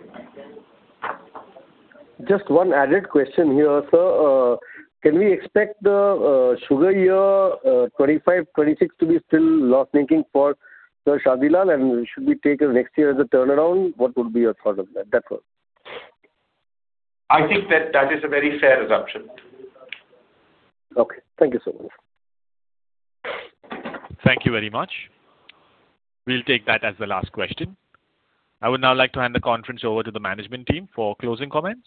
Just one added question here, sir. Can we expect the sugar year 25-26 to be still loss-making for Sir Shadi Lal, and should we take it next year as a turnaround? What would be your thought on that? That's all. I think that that is a very fair assumption. Okay. Thank you, sir. Thank you very much. We'll take that as the last question. I would now like to hand the conference over to the management team for closing comments.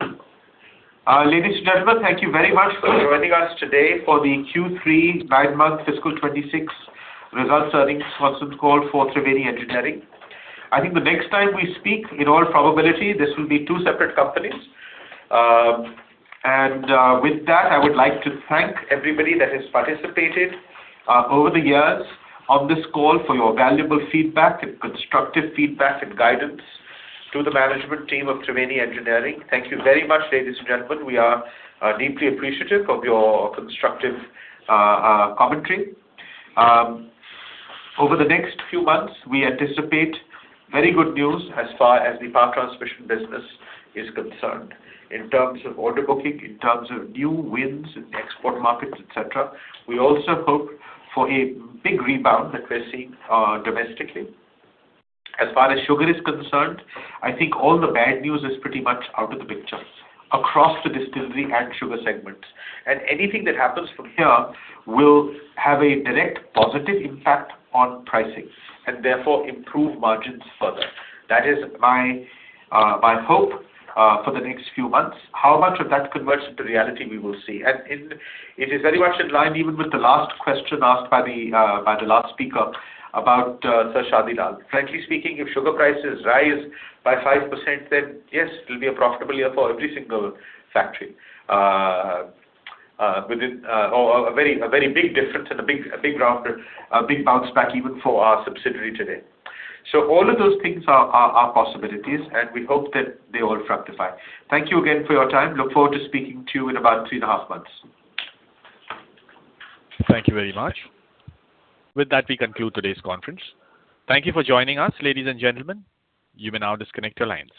Ladies and gentlemen, thank you very much for joining us today for the Q3 nine-month fiscal 2026 results earnings conference call for Triveni Engineering. I think the next time we speak, in all probability, this will be two separate companies. With that, I would like to thank everybody that has participated over the years on this call for your valuable feedback and constructive feedback and guidance to the management team of Triveni Engineering. Thank you very much, ladies and gentlemen. We are deeply appreciative of your constructive commentary. Over the next few months, we anticipate very good news as far as the power transmission business is concerned, in terms of order booking, in terms of new wins in export markets, et cetera. We also hope for a big rebound that we're seeing domestically. As far as sugar is concerned, I think all the bad news is pretty much out of the picture across the distillery and sugar segments. Anything that happens from here will have a direct positive impact on pricing, and therefore improve margins further. That is my hope for the next few months. How much of that converts into reality, we will see. And it is very much in line even with the last question asked by the last speaker about Sir Shadi Lal. Frankly speaking, if sugar prices rise by 5%, then yes, it will be a profitable year for every single factory or a very big difference and a big turnaround, a big bounce back even for our subsidiary today. So all of those things are possibilities, and we hope that they all fructify. Thank you again for your time. Look forward to speaking to you in about three and a half months. Thank you very much. With that, we conclude today's conference. Thank you for joining us, ladies and gentlemen. You may now disconnect your lines.